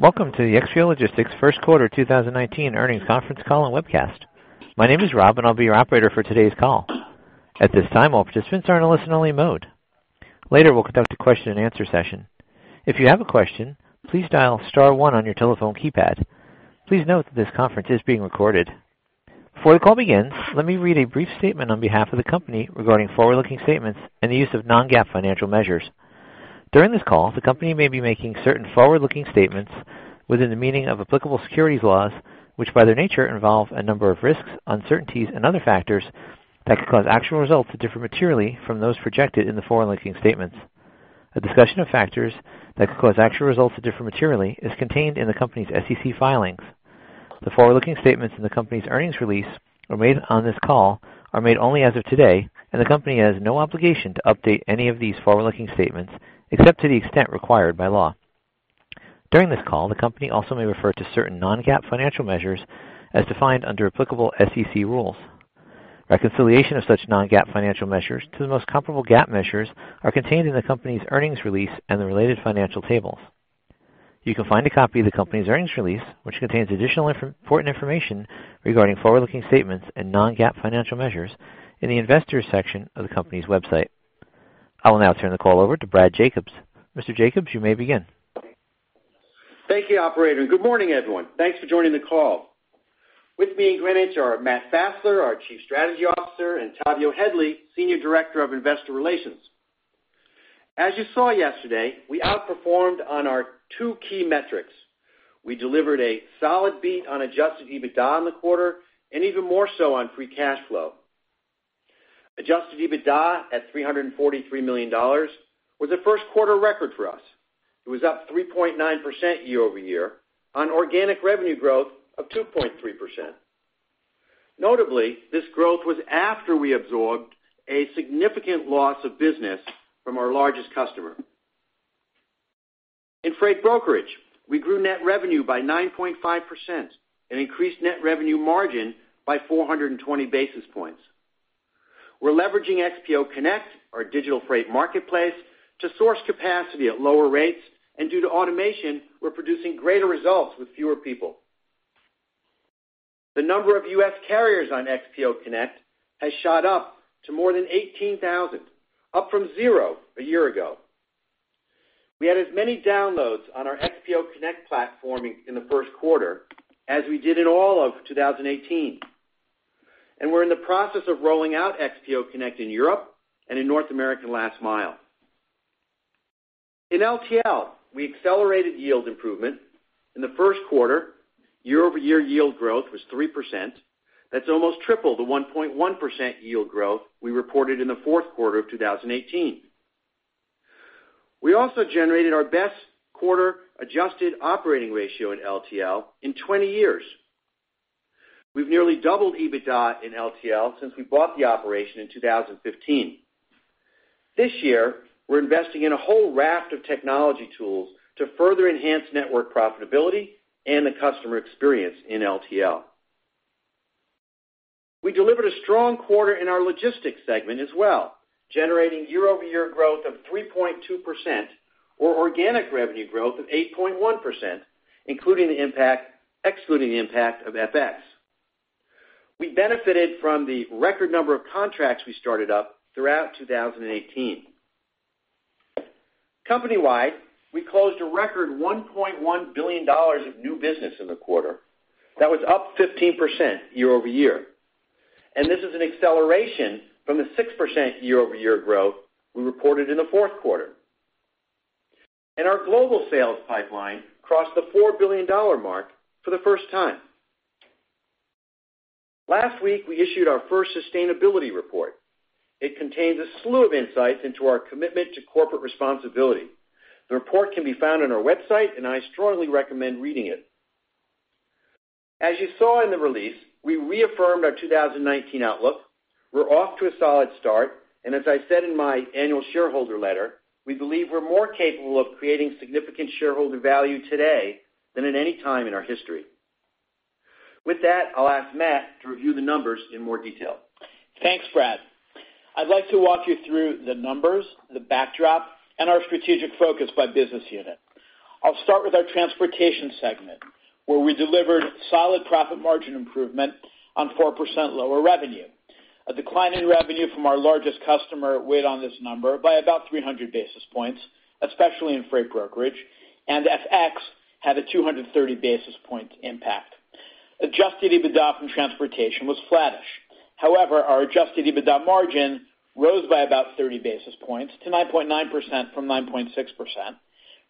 Welcome to the XPO Logistics first quarter 2019 earnings conference call and webcast. My name is Rob, and I'll be your operator for today's call. At this time, all participants are in a listen-only mode. Later, we'll conduct a question and answer session. If you have a question, please dial star one on your telephone keypad. Please note that this conference is being recorded. Before the call begins, let me read a brief statement on behalf of the company regarding forward-looking statements and the use of non-GAAP financial measures. During this call, the company may be making certain forward-looking statements within the meaning of applicable securities laws, which by their nature, involve a number of risks, uncertainties and other factors that could cause actual results to differ materially from those projected in the forward-looking statements. A discussion of factors that could cause actual results to differ materially is contained in the company's SEC filings. The forward-looking statements in the company's earnings release made on this call are made only as of today. The company has no obligation to update any of these forward-looking statements except to the extent required by law. During this call, the company also may refer to certain non-GAAP financial measures as defined under applicable SEC rules. Reconciliation of such non-GAAP financial measures to the most comparable GAAP measures are contained in the company's earnings release and the related financial tables. You can find a copy of the company's earnings release, which contains additional important information regarding forward-looking statements and non-GAAP financial measures in the investors section of the company's website. I will now turn the call over to Brad Jacobs. Mr. Jacobs, you may begin. Thank you, operator. Good morning, everyone. Thanks for joining the call. With me in Greenwich are Matt Fassler, our Chief Strategy Officer, and Tavio Headley, Senior Director of Investor Relations. As you saw yesterday, we outperformed on our two key metrics. We delivered a solid beat on adjusted EBITDA in the quarter and even more so on free cash flow. Adjusted EBITDA at $343 million was a first quarter record for us. It was up 3.9% year-over-year on organic revenue growth of 2.3%. Notably, this growth was after we absorbed a significant loss of business from our largest customer. In freight brokerage, we grew net revenue by 9.5% and increased net revenue margin by 420 basis points. We're leveraging XPO Connect, our digital freight marketplace, to source capacity at lower rates. Due to automation, we're producing greater results with fewer people. The number of U.S. carriers on XPO Connect has shot up to more than 18,000, up from zero a year ago. We had as many downloads on our XPO Connect platform in the first quarter as we did in all of 2018. We're in the process of rolling out XPO Connect in Europe and in North American Last Mile. In LTL, we accelerated yield improvement. In the first quarter, year-over-year yield growth was 3%. That's almost triple the 1.1% yield growth we reported in the fourth quarter of 2018. We also generated our best quarter adjusted operating ratio in LTL in 20 years. We've nearly doubled EBITDA in LTL since we bought the operation in 2015. This year, we're investing in a whole raft of technology tools to further enhance network profitability and the customer experience in LTL. We delivered a strong quarter in our logistics segment as well, generating year-over-year growth of 3.2% or organic revenue growth of 8.1%, excluding the impact of FX. We benefited from the record number of contracts we started up throughout 2018. Company-wide, we closed a record $1.1 billion of new business in the quarter. That was up 15% year over year, and this is an acceleration from the 6% year over year growth we reported in the fourth quarter. Our global sales pipeline crossed the $4 billion mark for the first time. Last week, we issued our first sustainability report. It contains a slew of insights into our commitment to corporate responsibility. The report can be found on our website, and I strongly recommend reading it. As you saw in the release, we reaffirmed our 2019 outlook. We're off to a solid start, and as I said in my annual shareholder letter, we believe we're more capable of creating significant shareholder value today than at any time in our history. With that, I'll ask Matt to review the numbers in more detail. Thanks, Brad. I'd like to walk you through the numbers, the backdrop, and our strategic focus by business unit. I'll start with our transportation segment, where we delivered solid profit margin improvement on 4% lower revenue. A decline in revenue from our largest customer weighed on this number by about 300 basis points, especially in freight brokerage, and FX had a 230 basis point impact. Adjusted EBITDA from transportation was flattish. However, our adjusted EBITDA margin rose by about 30 basis points to 9.9% from 9.6%,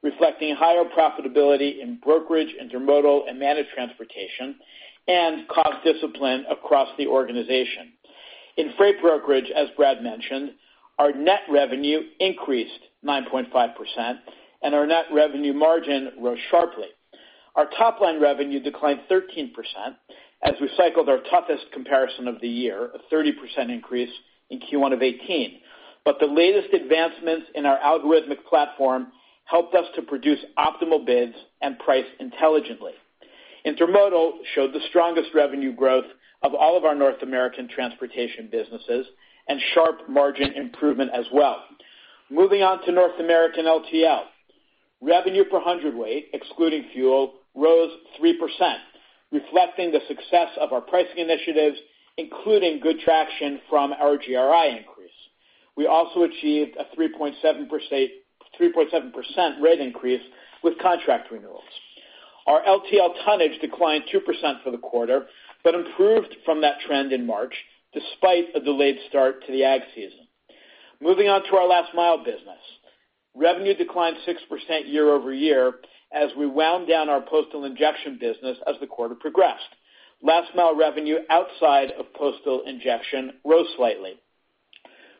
reflecting higher profitability in brokerage, intermodal, and managed transportation, and cost discipline across the organization. In freight brokerage, as Brad mentioned, our net revenue increased 9.5%, and our net revenue margin rose sharply. Our top-line revenue declined 13% as we cycled our toughest comparison of the year, a 30% increase in Q1 of 2018. The latest advancements in our algorithmic platform helped us to produce optimal bids and price intelligently. Intermodal showed the strongest revenue growth of all of our North American transportation businesses and sharp margin improvement as well. Moving on to North American LTL. Revenue per hundredweight, excluding fuel, rose 3%, reflecting the success of our pricing initiatives, including good traction from our GRI increase. We also achieved a 3.7% rate increase with contract renewals. Our LTL tonnage declined 2% for the quarter, but improved from that trend in March, despite a delayed start to the ag season. Moving on to our last mile business. Revenue declined 6% year-over-year as we wound down our postal injection business as the quarter progressed. Last mile revenue outside of postal injection rose slightly.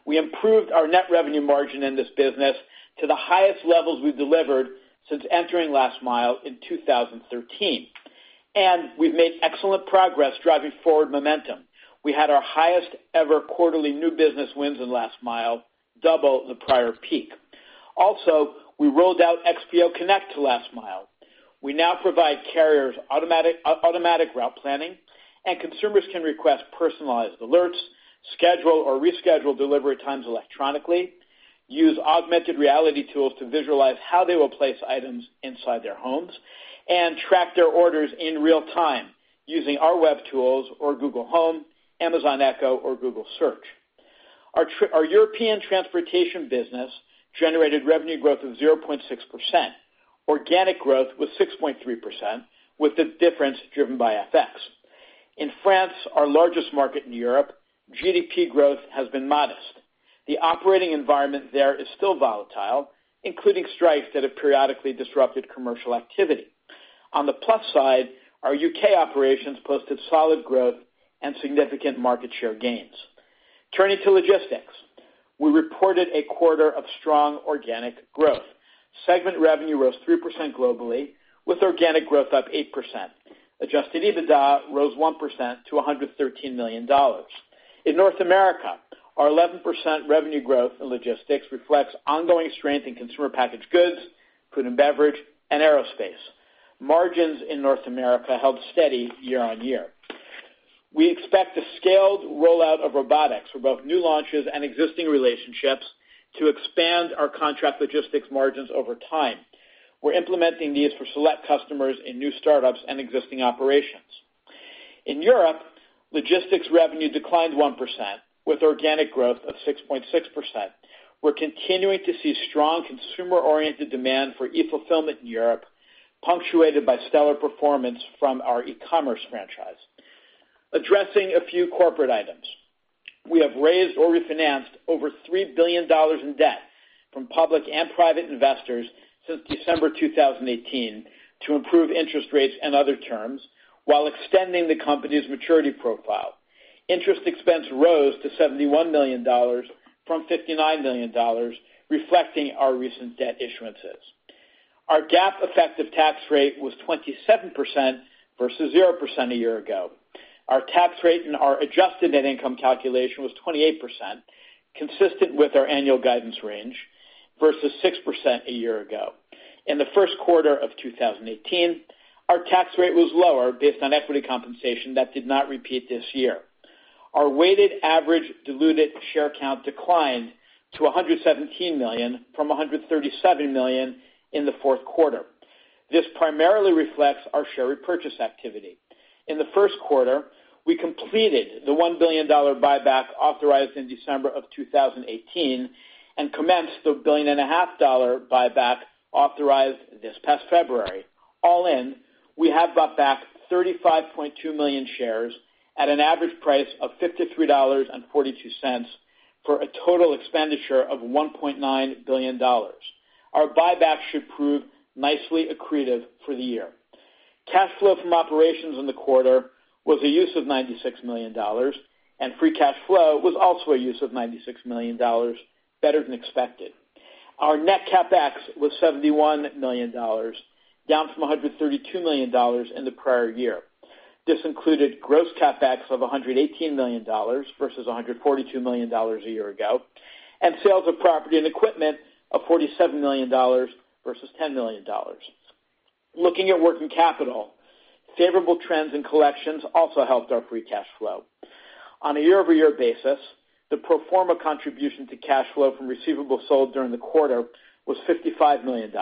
We improved our net revenue margin in this business to the highest levels we've delivered since entering last mile in 2013, and we've made excellent progress driving forward momentum. We had our highest-ever quarterly new business wins in last mile, double the prior peak. Also, we rolled out XPO Connect to last mile. We now provide carriers automatic route planning, and consumers can request personalized alerts, schedule or reschedule delivery times electronically, use augmented reality tools to visualize how they will place items inside their homes, and track their orders in real time using our web tools or Google Home, Amazon Echo, or Google Search. Our European transportation business generated revenue growth of 0.6%. Organic growth was 6.3%, with the difference driven by FX. In France, our largest market in Europe, GDP growth has been modest. The operating environment there is still volatile, including strikes that have periodically disrupted commercial activity. On the plus side, our U.K. operations posted solid growth and significant market share gains. Turning to logistics. We reported a quarter of strong organic growth. Segment revenue rose 3% globally, with organic growth up 8%. Adjusted EBITDA rose 1% to $113 million. In North America, our 11% revenue growth in logistics reflects ongoing strength in consumer packaged goods, food and beverage, and aerospace. Margins in North America held steady year-on-year. We expect a scaled rollout of robotics for both new launches and existing relationships to expand our contract logistics margins over time. We're implementing these for select customers in new startups and existing operations. In Europe, logistics revenue declined 1%, with organic growth of 6.6%. We're continuing to see strong consumer-oriented demand for e-fulfillment in Europe, punctuated by stellar performance from our e-commerce franchise. Addressing a few corporate items. We have raised or refinanced over $3 billion in debt from public and private investors since December 2018 to improve interest rates and other terms while extending the company's maturity profile. Interest expense rose to $71 million from $59 million, reflecting our recent debt issuances. Our GAAP effective tax rate was 27% versus 0% a year ago. Our tax rate in our adjusted net income calculation was 28%, consistent with our annual guidance range versus 6% a year ago. In the first quarter of 2018, our tax rate was lower based on equity compensation that did not repeat this year. Our weighted average diluted share count declined to 117 million from 137 million in the fourth quarter. This primarily reflects our share repurchase activity. In the first quarter, we completed the $1 billion buyback authorized in December of 2018 and commenced the $1.5 billion buyback authorized this past February. All in, we have bought back 35.2 million shares at an average price of $53.42 for a total expenditure of $1.9 billion. Our buyback should prove nicely accretive for the year. Cash flow from operations in the quarter was a use of $96 million, and free cash flow was also a use of $96 million, better than expected. Our net CapEx was $71 million, down from $132 million in the prior year. This included gross CapEx of $118 million versus $142 million a year ago, and sales of property and equipment of $47 million versus $10 million. Looking at working capital, favorable trends in collections also helped our free cash flow. On a year-over-year basis, the pro forma contribution to cash flow from receivables sold during the quarter was $55 million,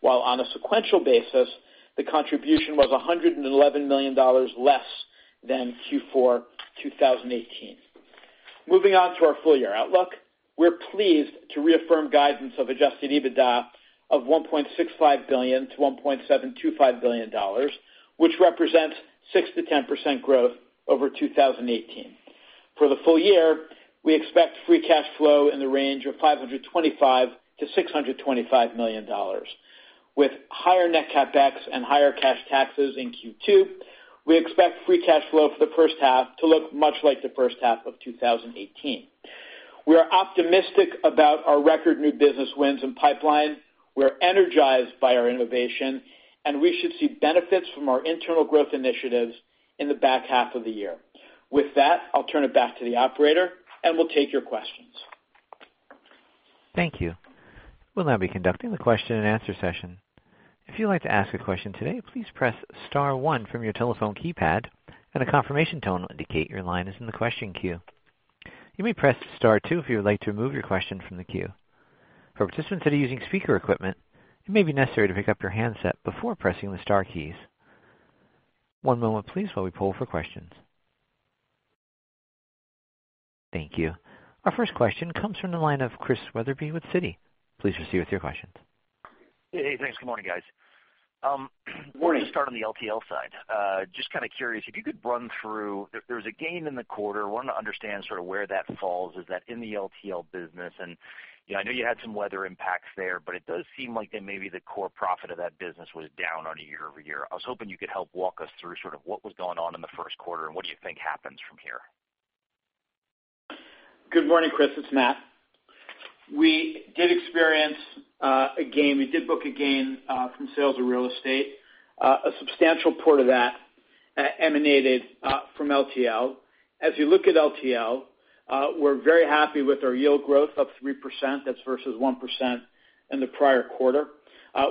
while on a sequential basis, the contribution was $111 million less than Q4 2018. Moving on to our full-year outlook. We're pleased to reaffirm guidance of adjusted EBITDA of $1.65 billion-$1.725 billion, which represents 6%-10% growth over 2018. For the full year, we expect free cash flow in the range of $525 million-$625 million. With higher net CapEx and higher cash taxes in Q2, we expect free cash flow for the first half to look much like the first half of 2018. We are optimistic about our record new business wins and pipeline. We're energized by our innovation. We should see benefits from our internal growth initiatives in the back half of the year. With that, I'll turn it back to the operator. We'll take your questions. Thank you. We'll now be conducting the question and answer session. If you'd like to ask a question today, please press star one from your telephone keypad. A confirmation tone will indicate your line is in the question queue. You may press star two if you would like to remove your question from the queue. For participants that are using speaker equipment, it may be necessary to pick up your handset before pressing the star keys. One moment please, while we poll for questions. Thank you. Our first question comes from the line of Christian Wetherbee with Citi. Please proceed with your questions. Hey, thanks. Good morning, guys. I wanted to start on the LTL side. I was just kind of curious, if you could run through, there was a gain in the quarter. I wanted to understand sort of where that falls. Is that in the LTL business? I know you had some weather impacts there, but it does seem like maybe the core profit of that business was down on a year-over-year. I was hoping you could help walk us through sort of what was going on in the first quarter. What do you think happens from here? Good morning, Christian. It's Matt. We did experience a gain. We did book a gain from sales of real estate. A substantial part of that emanated from LTL. As you look at LTL, we're very happy with our yield growth, up 3%. That's versus 1% in the prior quarter.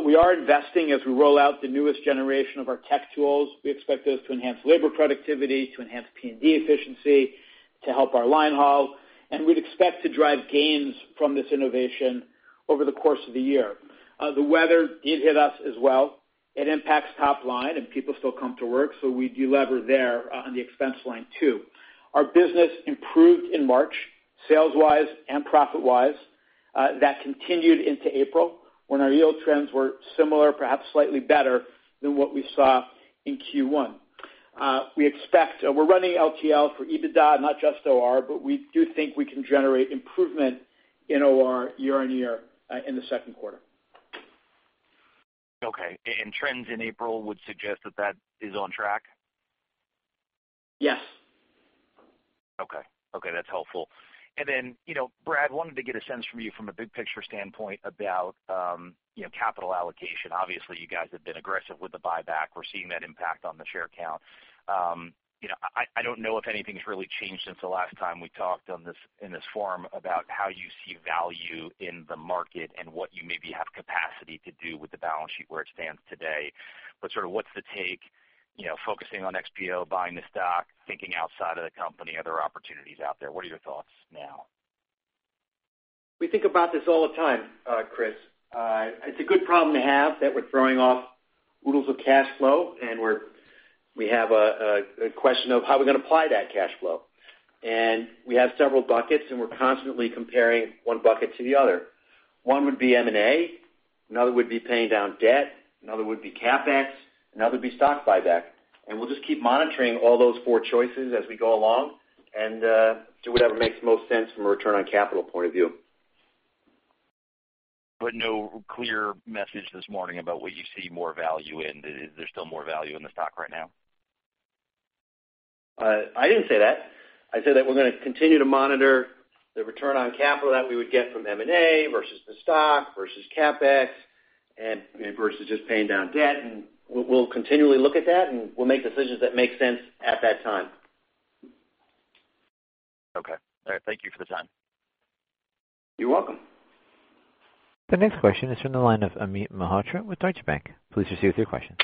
We are investing as we roll out the newest generation of our tech tools. We expect those to enhance labor productivity, to enhance P&D efficiency, to help our line haul. We'd expect to drive gains from this innovation over the course of the year. The weather did hit us as well. It impacts top line, and people still come to work, so we de-lever there on the expense line, too. Our business improved in March, sales wise and profit wise. That continued into April, when our yield trends were similar, perhaps slightly better than what we saw in Q1. We're running LTL for EBITDA, not just OR, but we do think we can generate improvement in OR year-on-year in the second quarter. Okay. Trends in April would suggest that that is on track? Yes. Okay. That's helpful. Then, Brad, wanted to get a sense from you from a big picture standpoint about capital allocation. Obviously, you guys have been aggressive with the buyback. We're seeing that impact on the share count. I don't know if anything's really changed since the last time we talked in this forum about how you see value in the market and what you maybe have capacity to do with the balance sheet where it stands today. Sort of what's the take, focusing on XPO, buying the stock, thinking outside of the company, are there opportunities out there? What are your thoughts now? We think about this all the time, Chris. It's a good problem to have that we're throwing off oodles of cash flow, and we have a question of how are we going to apply that cash flow. We have several buckets, and we're constantly comparing one bucket to the other. One would be M&A, another would be paying down debt, another would be CapEx, another would be stock buyback. We'll just keep monitoring all those four choices as we go along and do whatever makes the most sense from a return on capital point of view. No clear message this morning about where you see more value in. Is there still more value in the stock right now? I didn't say that. I said that we're going to continue to monitor the return on capital that we would get from M&A versus the stock, versus CapEx, and versus just paying down debt. We'll continually look at that, and we'll make decisions that make sense at that time. Okay. All right. Thank you for the time. You're welcome. The next question is from the line of Amit Mehrotra with Deutsche Bank. Please proceed with your question.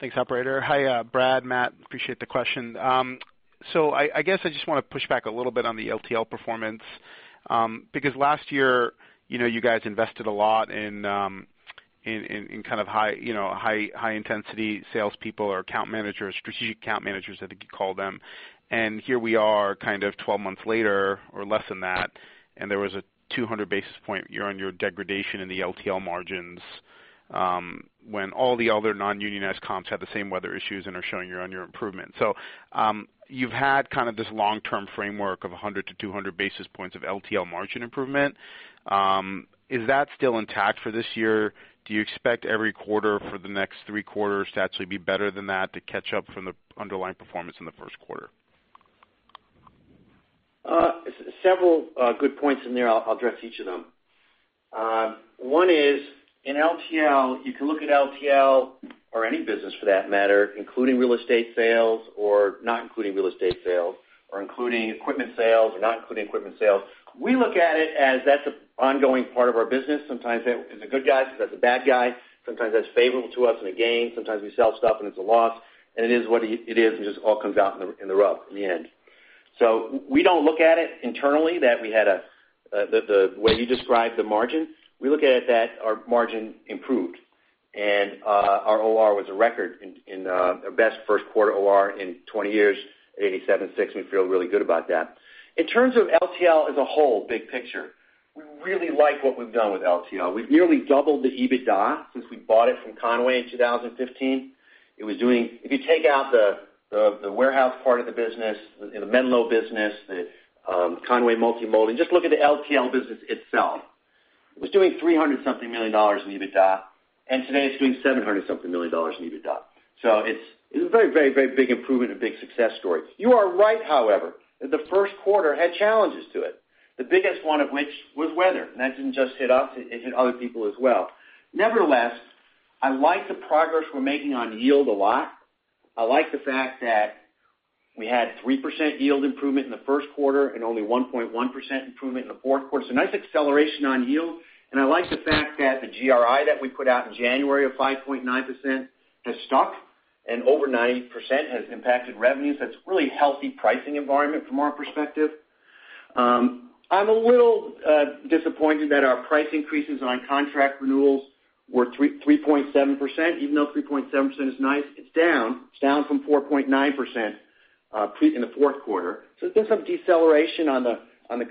Thanks, operator. Hi, Brad, Matt. Appreciate the question. I guess I just want to push back a little bit on the LTL performance. Last year, you guys invested a lot in kind of high intensity salespeople or account managers, Strategic Account Managers, I think you call them. Here we are kind of 12 months later or less than that, and there was a 200 basis point year-on-year degradation in the LTL margins, when all the other non-unionized comps had the same weather issues and are showing year-on-year improvement. You've had kind of this long-term framework of 100 to 200 basis points of LTL margin improvement. Is that still intact for this year? Do you expect every quarter for the next three quarters to actually be better than that to catch up from the underlying performance in the first quarter? Several good points in there. I'll address each of them. One is, in LTL, you can look at LTL, or any business for that matter, including real estate sales or not including real estate sales, or including equipment sales or not including equipment sales. We look at it as that's an ongoing part of our business. Sometimes that is a good guy, sometimes a bad guy. Sometimes that's favorable to us in a gain, sometimes we sell stuff and it's a loss. It is what it is, and it just all comes out in the rough in the end. We don't look at it internally the way you described the margin. We look at it that our margin improved, and our OR was a record, our best first quarter OR in 20 years at 87.6. We feel really good about that. In terms of LTL as a whole, big picture, we really like what we've done with LTL. We've nearly doubled the EBITDA since we bought it from Con-way in 2015. If you take out the warehouse part of the business, the Menlo business, the Con-way Multimodal, and just look at the LTL business itself, it was doing $300 something million in EBITDA, and today it's doing $700 something million in EBITDA. It's a very big improvement and big success story. You are right, however, that the first quarter had challenges to it, the biggest one of which was weather. That didn't just hit us, it hit other people as well. Nevertheless, I like the progress we're making on yield a lot. We had 3% yield improvement in the first quarter and only 1.1% improvement in the fourth quarter. Nice acceleration on yield. I like the fact that the GRI that we put out in January of 5.9% has stuck, and over 90% has impacted revenues. That's really healthy pricing environment from our perspective. I'm a little disappointed that our price increases on contract renewals were 3.7%, even though 3.7% is nice, it's down from 4.9% in the fourth quarter. There's been some deceleration on the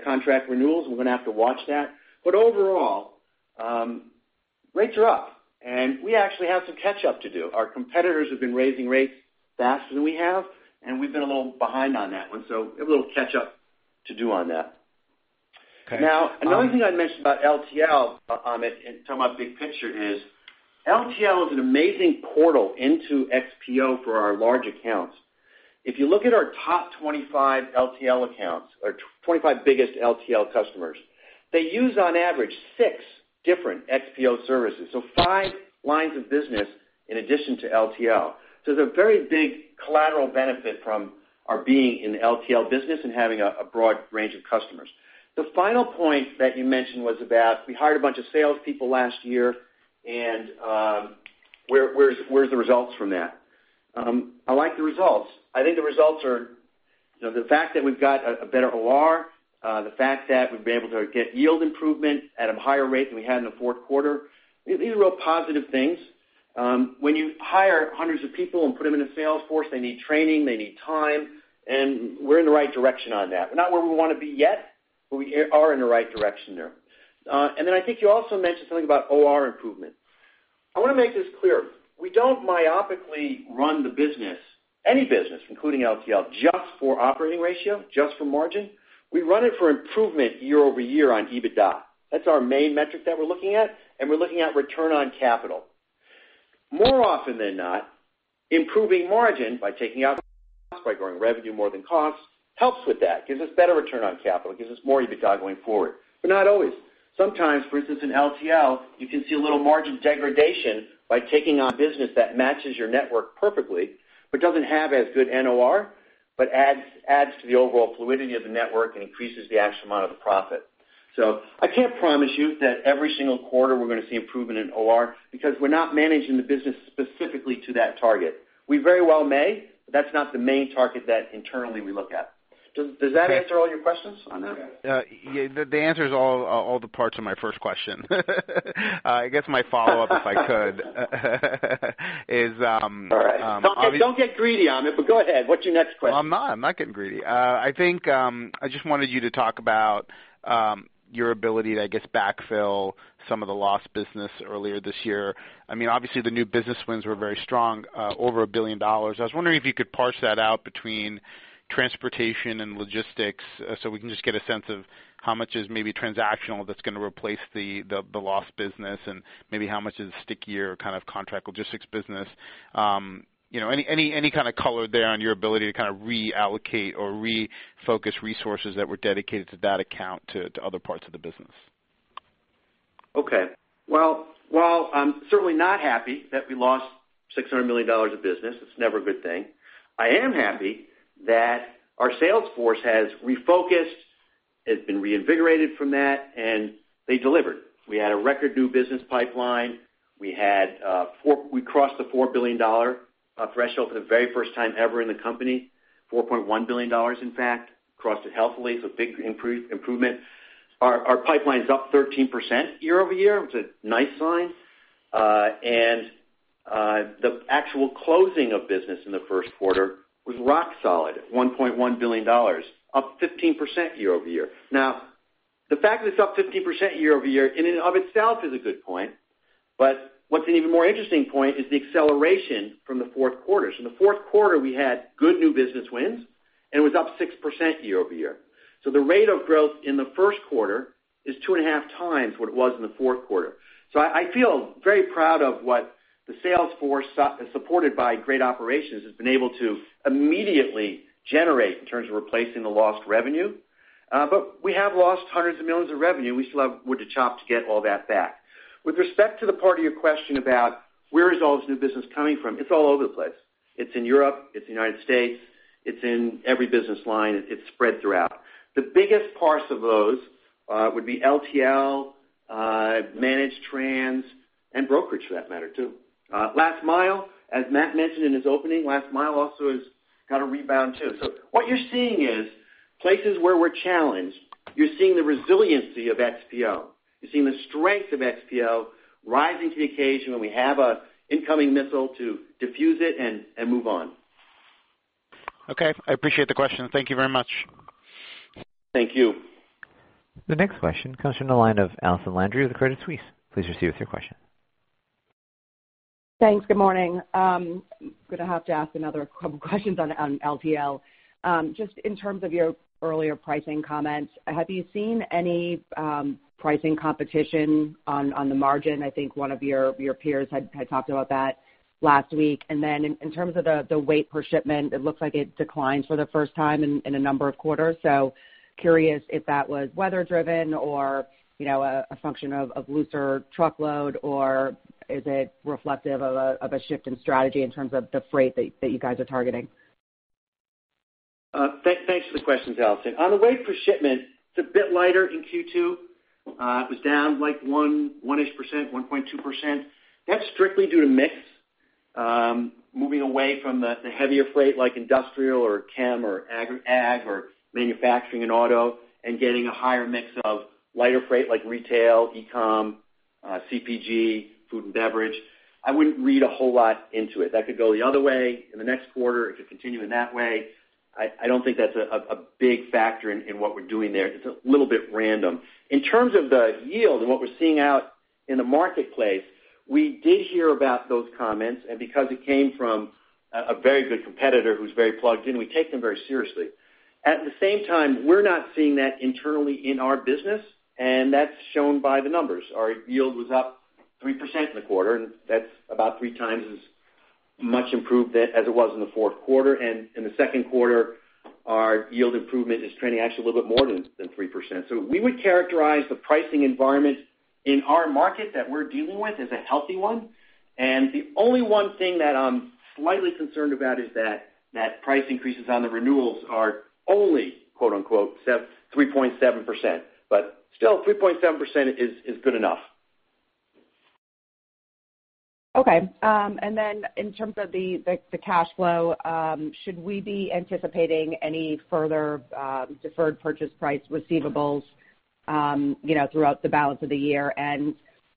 contract renewals. We're going to have to watch that. Overall, rates are up, and we actually have some catch up to do. Our competitors have been raising rates faster than we have, and we've been a little behind on that one. We have a little catch up to do on that. Okay. Another thing I'd mention about LTL, Amit, in talking about big picture is LTL is an amazing portal into XPO for our large accounts. If you look at our top 25 LTL accounts, or 25 biggest LTL customers, they use on average six different XPO services. Five lines of business in addition to LTL. It's a very big collateral benefit from our being in the LTL business and having a broad range of customers. The final point that you mentioned was about, we hired a bunch of salespeople last year and where's the results from that? I like the results. I think the results are the fact that we've got a better OR, the fact that we've been able to get yield improvement at a higher rate than we had in the fourth quarter. These are real positive things. When you hire hundreds of people and put them in a sales force, they need training, they need time, we're in the right direction on that. We're not where we want to be yet, we are in the right direction there. I think you also mentioned something about OR improvement. I want to make this clear. We don't myopically run the business, any business, including LTL, just for operating ratio, just for margin. We run it for improvement year-over-year on EBITDA. That's our main metric that we're looking at, and we're looking at return on capital. More often than not, improving margin by taking out, by growing revenue more than costs, helps with that. Gives us better return on capital, gives us more EBITDA going forward, but not always. Sometimes, for instance, in LTL, you can see a little margin degradation by taking on business that matches your network perfectly, but doesn't have as good NOR, but adds to the overall fluidity of the network and increases the actual amount of the profit. I can't promise you that every single quarter we're going to see improvement in OR because we're not managing the business specifically to that target. We very well may, that's not the main target that internally we look at. Does that answer all your questions on that? Yeah. That answers all the parts of my first question. I guess my follow-up, if I could, is. All right. Don't get greedy on it, go ahead. What's your next question? I'm not. I'm not getting greedy. I think I just wanted you to talk about your ability to, I guess, backfill some of the lost business earlier this year. Obviously, the new business wins were very strong, over $1 billion. I was wondering if you could parse that out between transportation and logistics so we can just get a sense of how much is maybe transactional that's going to replace the lost business, and maybe how much is stickier kind of contract logistics business. Any kind of color there on your ability to kind of reallocate or refocus resources that were dedicated to that account to other parts of the business. Okay. Well, while I'm certainly not happy that we lost $600 million of business, it's never a good thing. I am happy that our sales force has refocused, has been reinvigorated from that, and they delivered. We had a record new business pipeline. We crossed the $4 billion threshold for the very first time ever in the company, $4.1 billion in fact. Crossed it healthily, it's a big improvement. Our pipeline's up 13% year-over-year, which is a nice sign. The actual closing of business in the first quarter was rock solid at $1.1 billion, up 15% year-over-year. The fact that it's up 15% year-over-year in and of itself is a good point, but what's an even more interesting point is the acceleration from the fourth quarter. In the fourth quarter, we had good new business wins, and it was up 6% year-over-year. The rate of growth in the first quarter is two and a half times what it was in the fourth quarter. I feel very proud of what the sales force, supported by great operations, has been able to immediately generate in terms of replacing the lost revenue. We have lost hundreds of millions of revenue. We still have wood to chop to get all that back. With respect to the part of your question about where is all this new business coming from? It's all over the place. It's in Europe, it's in the United States, it's in every business line. It's spread throughout. The biggest parts of those would be LTL, managed trans, and brokerage for that matter, too. Last mile, as Matt mentioned in his opening, last mile also has got a rebound, too. What you're seeing is places where we're challenged, you're seeing the resiliency of XPO. You're seeing the strength of XPO rising to the occasion when we have an incoming missile to diffuse it and move on. Okay. I appreciate the question. Thank you very much. Thank you. The next question comes from the line of Allison Landry with Credit Suisse. Please proceed with your question. Thanks. Good morning. I'm going to have to ask another couple questions on LTL. Just in terms of your earlier pricing comments, have you seen any pricing competition on the margin? I think one of your peers had talked about that last week. In terms of the weight per shipment, it looks like it declined for the first time in a number of quarters. Curious if that was weather driven or a function of looser truckload, or is it reflective of a shift in strategy in terms of the freight that you guys are targeting? Thanks for the questions, Allison. On the weight per shipment, it's a bit lighter in Q2. It was down like one-ish%, 1.2%. That's strictly due to mix. Moving away from the heavier freight like industrial or chem or ag or manufacturing and auto, and getting a higher mix of lighter freight like retail, e-com, CPG, food and beverage. I wouldn't read a whole lot into it. That could go the other way in the next quarter. It could continue in that way. I don't think that's a big factor in what we're doing there. It's a little bit random. In terms of the yield and what we're seeing out in the marketplace, we did hear about those comments, because it came from a very good competitor who's very plugged in, we take them very seriously. At the same time, we're not seeing that internally in our business, that's shown by the numbers. Our yield was up 3% in the quarter, that's about three times as much improved as it was in the fourth quarter. In the second quarter, our yield improvement is trending actually a little bit more than 3%. We would characterize the pricing environment in our market that we're dealing with as a healthy one. The only one thing that I'm slightly concerned about is that price increases on the renewals are only quote, unquote "3.7%." Still, 3.7% is good enough. Okay. In terms of the cash flow, should we be anticipating any further deferred purchase price receivables throughout the balance of the year?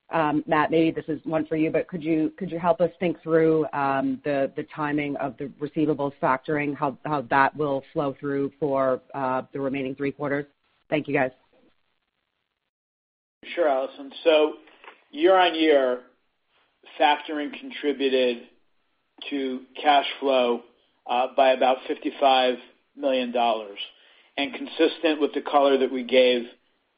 Matt, maybe this is one for you, but could you help us think through the timing of the receivables factoring, how that will flow through for the remaining three quarters? Thank you, guys. Sure, Allison. Year-on-year, factoring contributed to cash flow by about $55 million. Consistent with the color that we gave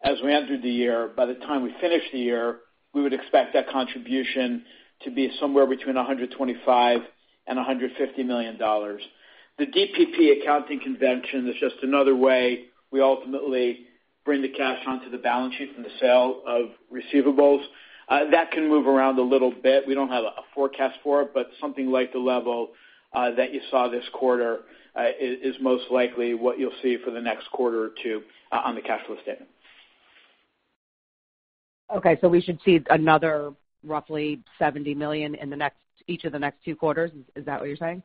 as we entered the year, by the time we finish the year, we would expect that contribution to be somewhere between $125 million-$150 million. The DPP accounting convention is just another way we ultimately bring the cash onto the balance sheet from the sale of receivables. That can move around a little bit. We don't have a forecast for it, but something like the level that you saw this quarter is most likely what you'll see for the next quarter or two on the cash flow statement. Okay. We should see another roughly $70 million in each of the next two quarters. Is that what you're saying?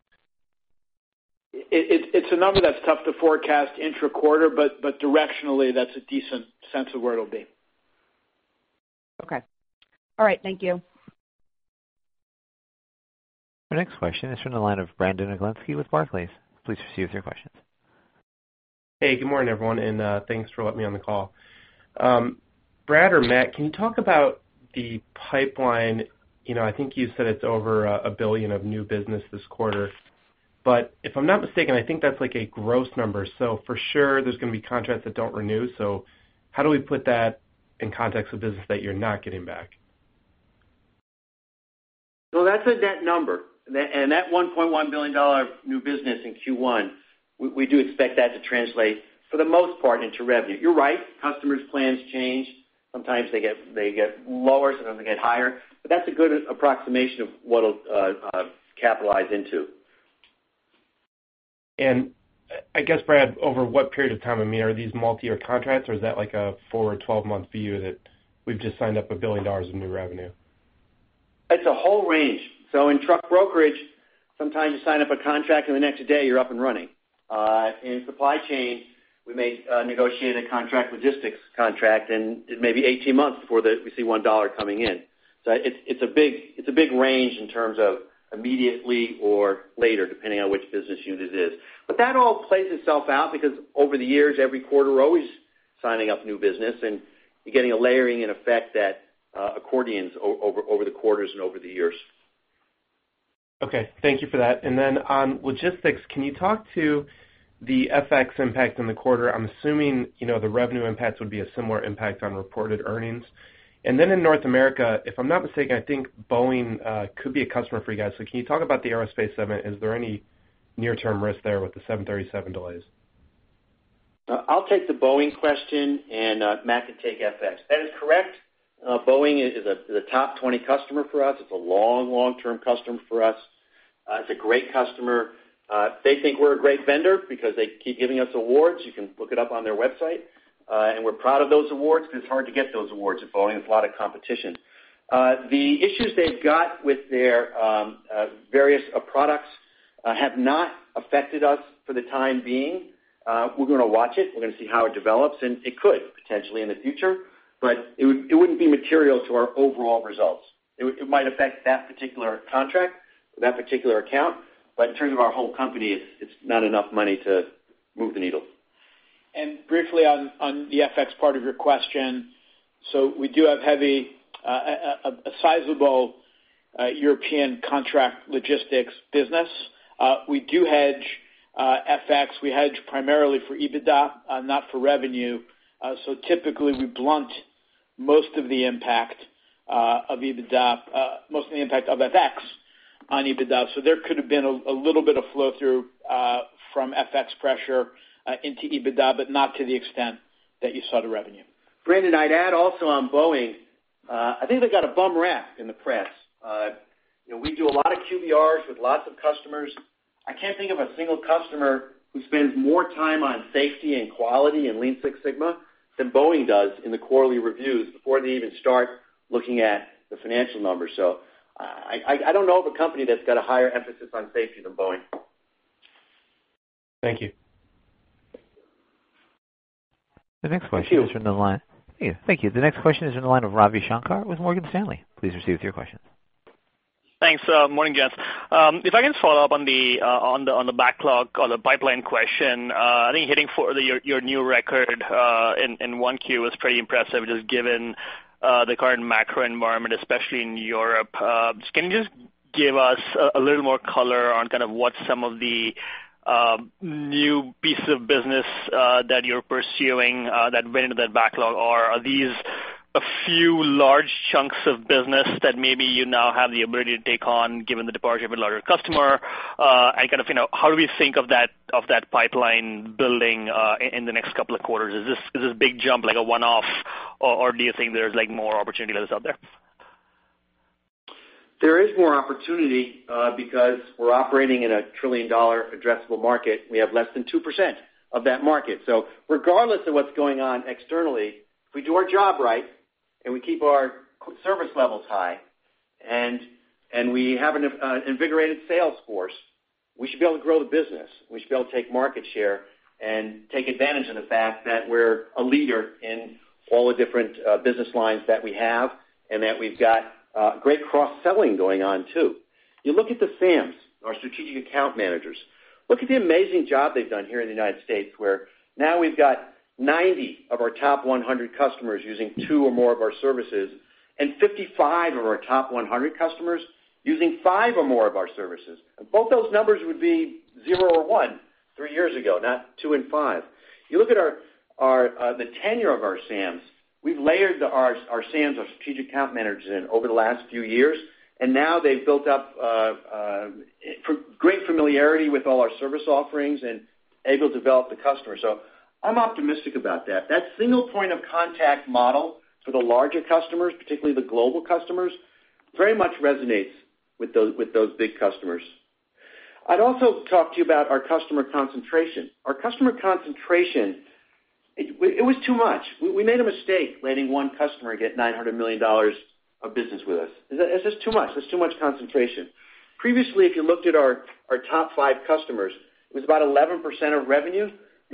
It's a number that's tough to forecast intra-quarter, but directionally, that's a decent sense of where it'll be. Okay. All right. Thank you. Our next question is from the line of Brandon Oglenski with Barclays. Please proceed with your questions. Hey, good morning, everyone, and thanks for letting me on the call. Brad or Matt, can you talk about the pipeline? I think you said it's over $1 billion of new business this quarter. If I'm not mistaken, I think that's like a gross number. For sure, there's going to be contracts that don't renew. How do we put that in context of business that you're not getting back? No, that's a net number. That $1.1 billion new business in Q1, we do expect that to translate, for the most part, into revenue. You're right. Customers' plans change. Sometimes they get lower, sometimes they get higher. That's a good approximation of what it'll capitalize into. I guess, Brad, over what period of time? Are these multi-year contracts or is that like a four or 12-month view that we've just signed up $1 billion of new revenue? It's a whole range. In truck brokerage, sometimes you sign up a contract and the next day you're up and running. In supply chain, we may negotiate a contract logistics contract, and it may be 18 months before we see $1 coming in. It's a big range in terms of immediately or later, depending on which business unit it is. That all plays itself out because over the years, every quarter, we're always signing up new business and you're getting a layering and effect that accordions over the quarters and over the years. Okay. Thank you for that. On logistics, can you talk to the FX impact on the quarter? I'm assuming the revenue impacts would be a similar impact on reported earnings. In North America, if I'm not mistaken, I think Boeing could be a customer for you guys. Can you talk about the aerospace segment? Is there any near-term risk there with the 737 delays? I'll take the Boeing question. Matt can take FX. That is correct. Boeing is a top 20 customer for us. It's a long, long-term customer for us. It's a great customer. They think we're a great vendor because they keep giving us awards. You can look it up on their website. We're proud of those awards because it's hard to get those awards at Boeing. There's a lot of competition. The issues they've got with their various products have not affected us for the time being. We're going to watch it. We're going to see how it develops, and it could potentially in the future, but it wouldn't be material to our overall results. It might affect that particular contract or that particular account, but in terms of our whole company, it's not enough money to move the needle. Briefly on the FX part of your question, we do have a sizable European contract logistics business. We do hedge FX. We hedge primarily for EBITDA, not for revenue. Typically, we blunt most of the impact of FX on EBITDA. There could have been a little bit of flow through from FX pressure into EBITDA, but not to the extent that you saw the revenue. Brandon, I'd add also on Boeing. I think they got a bum rap in the press. We do a lot of QBRs with lots of customers. I can't think of a single customer who spends more time on safety and quality and Lean Six Sigma than Boeing does in the quarterly reviews before they even start looking at the financial numbers. I don't know of a company that's got a higher emphasis on safety than Boeing. Thank you. Thank you. Thank you. The next question is in the line of Ravi Shanker with Morgan Stanley. Please proceed with your question. Thanks. Morning, gents. If I can follow up on the backlog, on the pipeline question, I think hitting your new record in 1Q is pretty impressive, just given the current macro environment, especially in Europe. Can you just give us a little more color on kind of what some of the new pieces of business that you're pursuing that went into that backlog are? Are these a few large chunks of business that maybe you now have the ability to take on given the departure of a larger customer? How do we think of that pipeline building in the next couple of quarters? Is this big jump like a one-off, or do you think there's more opportunity that is out there? There is more opportunity because we're operating in a trillion-dollar addressable market. We have less than 2% of that market. Regardless of what's going on externally, if we do our job right and we keep our service levels high, and we have an invigorated sales force, we should be able to grow the business. We should be able to take market share and take advantage of the fact that we're a leader in all the different business lines that we have, and that we've got great cross-selling going on, too. You look at the SAMs, our Strategic Account Managers. Look at the amazing job they've done here in the United States, where now we've got 90 of our top 100 customers using two or more of our services, and 55 of our top 100 customers using five or more of our services. Both those numbers would be zero or one three years ago, not two and five. You look at the tenure of our SAMs. We've layered our SAMs, our Strategic Account Managers, in over the last few years, and now they've built up great familiarity with all our service offerings and able to develop the customer. I'm optimistic about that. That single point of contact model for the larger customers, particularly the global customers, very much resonates with those big customers. I'd also talk to you about our customer concentration. Our customer concentration, it was too much. We made a mistake letting one customer get $900 million of business with us. It's just too much. It's too much concentration. Previously, if you looked at our top five customers, it was about 11% of revenue.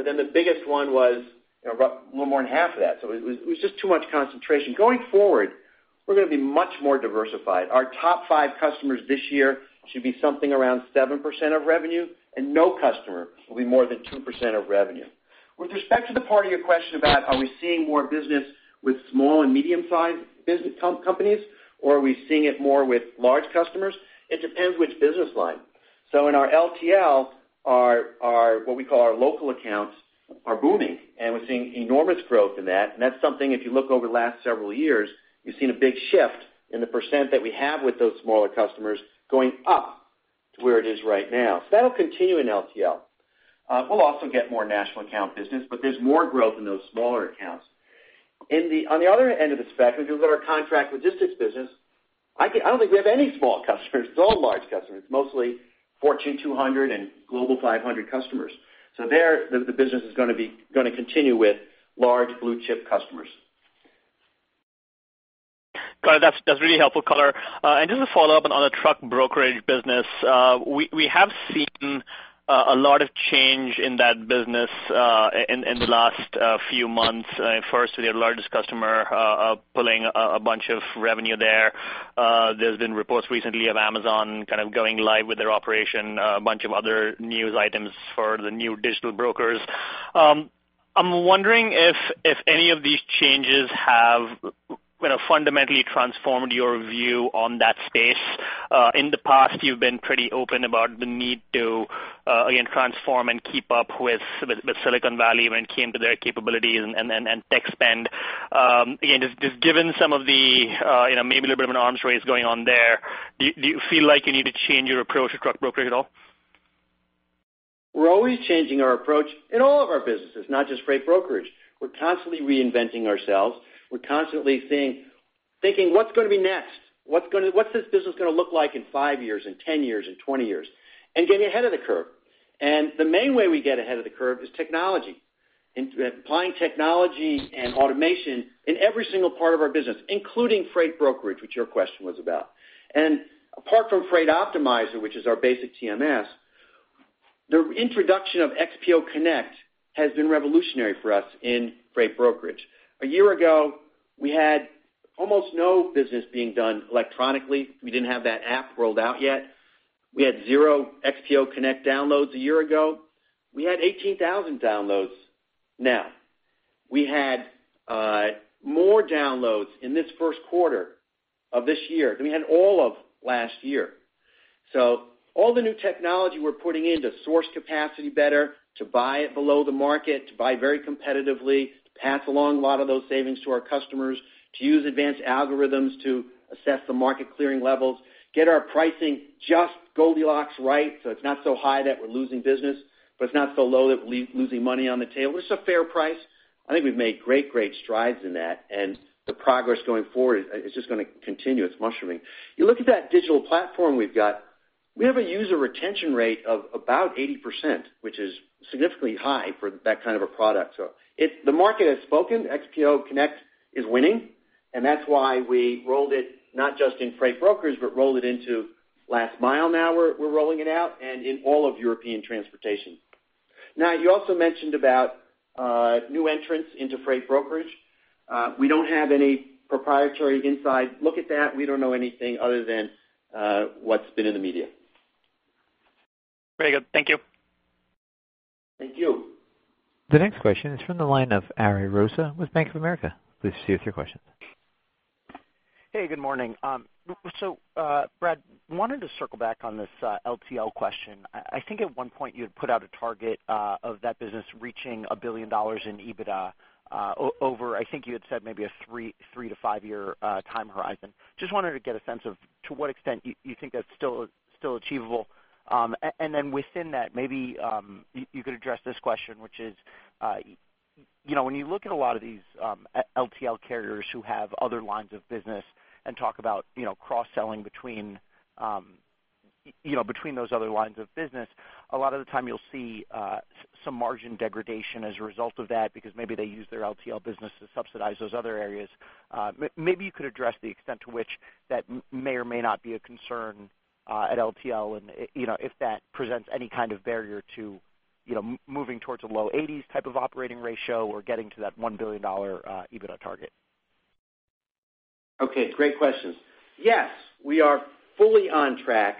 The biggest one was a little more than half of that. It was just too much concentration. Going forward, we're going to be much more diversified. Our top five customers this year should be something around 7% of revenue, and no customer will be more than 2% of revenue. With respect to the part of your question about, are we seeing more business with small and medium-sized business companies, or are we seeing it more with large customers? It depends which business line. In our LTL, what we call our local accounts are booming, and we're seeing enormous growth in that, and that's something if you look over the last several years, you've seen a big shift in the percent that we have with those smaller customers going up to where it is right now. That'll continue in LTL. We'll also get more national account business, but there's more growth in those smaller accounts. On the other end of the spectrum, if you look at our contract logistics business, I don't think we have any small customers. It's all large customers, mostly Fortune 200 and Global 500 customers. There, the business is going to continue with large blue-chip customers. Got it. That's really helpful color. Just a follow-up on the truck brokerage business. We have seen a lot of change in that business in the last few months. First, we had our largest customer pulling a bunch of revenue there. There's been reports recently of Amazon kind of going live with their operation, a bunch of other news items for the new digital brokers. I'm wondering if any of these changes have fundamentally transformed your view on that space. In the past, you've been pretty open about the need to, again, transform and keep up with Silicon Valley when it came to their capabilities and tech spend. Again, just given some of the maybe a little bit of an arms race going on there, do you feel like you need to change your approach to truck brokerage at all? We're always changing our approach in all of our businesses, not just freight brokerage. We're constantly reinventing ourselves. We're constantly thinking, what's going to be next? What's this business going to look like in five years, in 10 years, in 20 years? Getting ahead of the curve. The main way we get ahead of the curve is technology, and applying technology and automation in every single part of our business, including freight brokerage, which your question was about. Apart from Freight Optimizer, which is our basic TMS, the introduction of XPO Connect has been revolutionary for us in freight brokerage. A year ago, we had almost no business being done electronically. We didn't have that app rolled out yet. We had zero XPO Connect downloads a year ago. We had 18,000 downloads now. We had more downloads in this first quarter of this year than we had all of last year. All the new technology we're putting in to source capacity better, to buy it below the market, to buy very competitively, to pass along a lot of those savings to our customers, to use advanced algorithms to assess the market clearing levels, get our pricing just Goldilocks right, so it's not so high that we're losing business, but it's not so low that we're losing money on the table. It's a fair price. I think we've made great strides in that. The progress going forward is just going to continue. It's mushrooming. You look at that digital platform. We have a user retention rate of about 80%, which is significantly high for that kind of a product. The market has spoken, XPO Connect is winning, and that's why we rolled it not just in freight brokers, but rolled it into Last Mile now we're rolling it out, and in all of European transportation. You also mentioned about new entrants into freight brokerage. We don't have any proprietary inside look at that. We don't know anything other than what's been in the media. Very good. Thank you. Thank you. The next question is from the line of Ariel Rosa with Bank of America. Please proceed with your question. Hey, good morning. Brad, wanted to circle back on this LTL question. I think at one point, you had put out a target of that business reaching $1 billion in EBITDA over, I think you had said maybe a 3- to 5-year time horizon. Just wanted to get a sense of to what extent you think that's still achievable. Within that, maybe you could address this question, which is, when you look at a lot of these LTL carriers who have other lines of business and talk about cross-selling between those other lines of business, a lot of the time you'll see some margin degradation as a result of that because maybe they use their LTL business to subsidize those other areas. Maybe you could address the extent to which that may or may not be a concern at LTL, and if that presents any kind of barrier to moving towards a low 80s type of operating ratio or getting to that $1 billion EBITDA target. Okay. Great questions. Yes, we are fully on track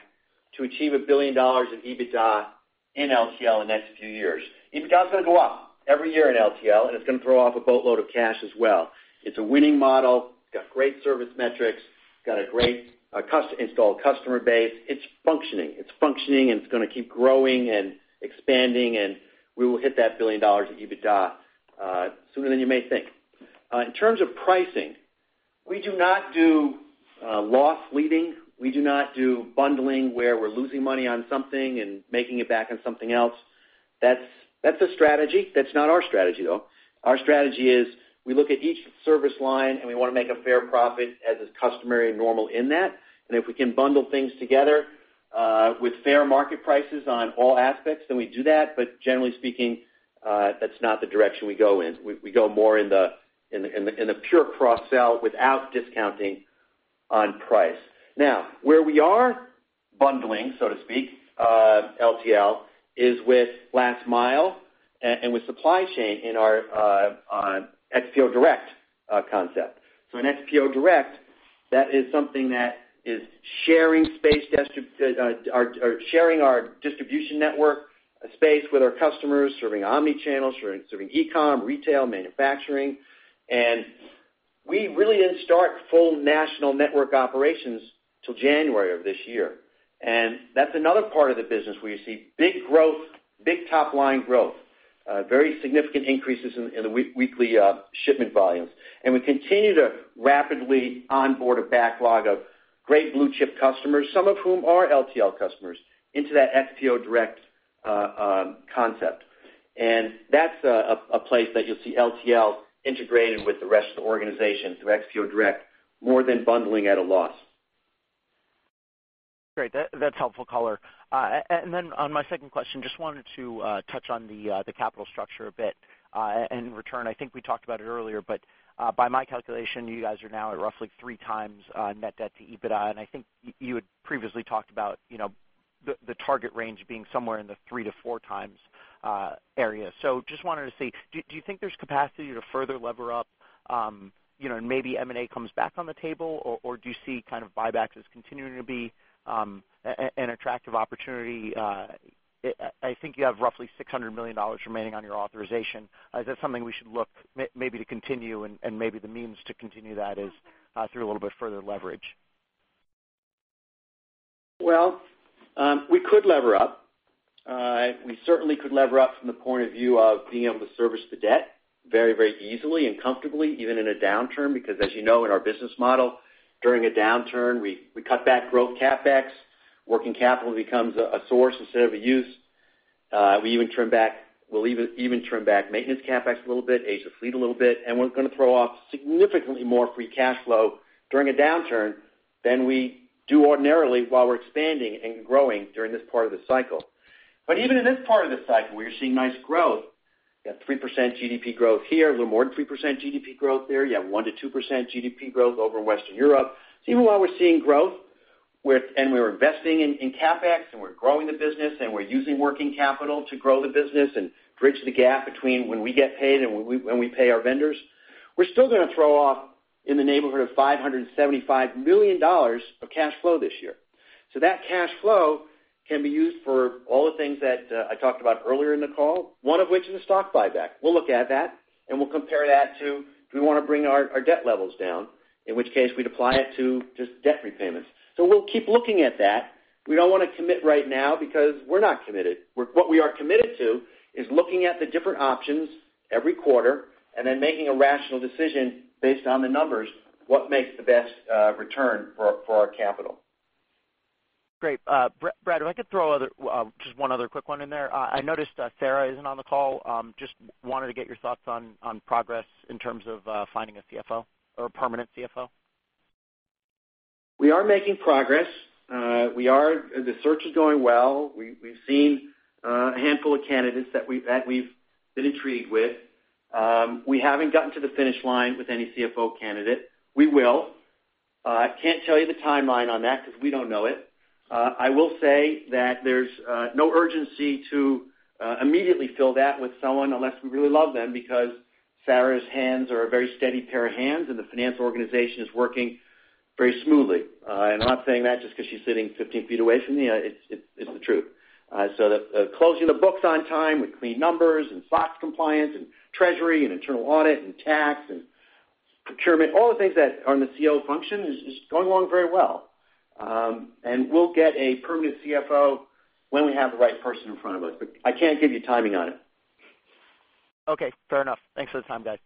to achieve $1 billion in EBITDA in LTL in the next few years. EBITDA is going to go up every year in LTL, and it's going to throw off a boatload of cash as well. It's a winning model. It's got great service metrics, got a great installed customer base. It's functioning. It's going to keep growing and expanding, and we will hit that $1 billion of EBITDA sooner than you may think. In terms of pricing, we do not do loss leading. We do not do bundling where we're losing money on something and making it back on something else. That's a strategy. That's not our strategy, though. Our strategy is we look at each service line, and we want to make a fair profit as is customary and normal in that. If we can bundle things together with fair market prices on all aspects, we do that. Generally speaking, that's not the direction we go in. We go more in the pure cross-sell without discounting on price. Now, where we are bundling, so to speak, LTL, is with Last Mile and with supply chain in our XPO Direct concept. In XPO Direct, that is something that is sharing our distribution network space with our customers, serving omni-channel, serving e-com, retail, manufacturing. We really didn't start full national network operations till January of this year. That's another part of the business where you see big growth, big top-line growth, very significant increases in the weekly shipment volumes. We continue to rapidly onboard a backlog of great blue-chip customers, some of whom are LTL customers, into that XPO Direct concept. That's a place that you'll see LTL integrated with the rest of the organization through XPO Direct more than bundling at a loss. Great. That's helpful color. On my second question, just wanted to touch on the capital structure a bit and return. I think we talked about it earlier, but by my calculation, you guys are now at roughly three times net debt to EBITDA, and I think you had previously talked about the target range being somewhere in the three to four times area. Just wanted to see, do you think there's capacity to further lever up, and maybe M&A comes back on the table, or do you see kind of buybacks as continuing to be an attractive opportunity? I think you have roughly $600 million remaining on your authorization. Is that something we should look maybe to continue, and maybe the means to continue that is through a little bit further leverage? We could lever up. We certainly could lever up from the point of view of being able to service the debt very, very easily and comfortably, even in a downturn, because as you know, in our business model, during a downturn, we cut back growth CapEx. Working capital becomes a source instead of a use. We'll even trim back maintenance CapEx a little bit, age the fleet a little bit, and we're going to throw off significantly more free cash flow during a downturn than we do ordinarily while we're expanding and growing during this part of the cycle. Even in this part of the cycle, we're seeing nice growth. We got 3% GDP growth here, a little more than 3% GDP growth there. You have 1%-2% GDP growth over in Western Europe. Even while we're seeing growth, and we're investing in CapEx, and we're growing the business, and we're using working capital to grow the business and bridge the gap between when we get paid and when we pay our vendors, we're still going off in the neighborhood of $575 million of cash flow this year. That cash flow can be used for all the things that I talked about earlier in the call, one of which is a stock buyback. We'll look at that, and we'll compare that to do we want to bring our debt levels down, in which case we'd apply it to just debt repayments. We'll keep looking at that. We don't want to commit right now because we're not committed. What we are committed to is looking at the different options every quarter and then making a rational decision based on the numbers, what makes the best return for our capital. Great. Brad, if I could throw just one other quick one in there. I noticed Sarah isn't on the call. Just wanted to get your thoughts on progress in terms of finding a CFO or a permanent CFO. We are making progress. The search is going well. We've seen a handful of candidates that we've been intrigued with. We haven't gotten to the finish line with any CFO candidate. We will. I can't tell you the timeline on that because we don't know it. I will say that there's no urgency to immediately fill that with someone unless we really love them, because Sarah's hands are a very steady pair of hands, and the finance organization is working very smoothly. I'm not saying that just because she's sitting 15 feet away from me. It's the truth. The closing the books on time with clean numbers and SOX compliance and treasury and internal audit and tax and procurement, all the things that are in the CFO function is going along very well. We'll get a permanent CFO when we have the right person in front of us, but I can't give you timing on it. Okay, fair enough. Thanks for the time, guys.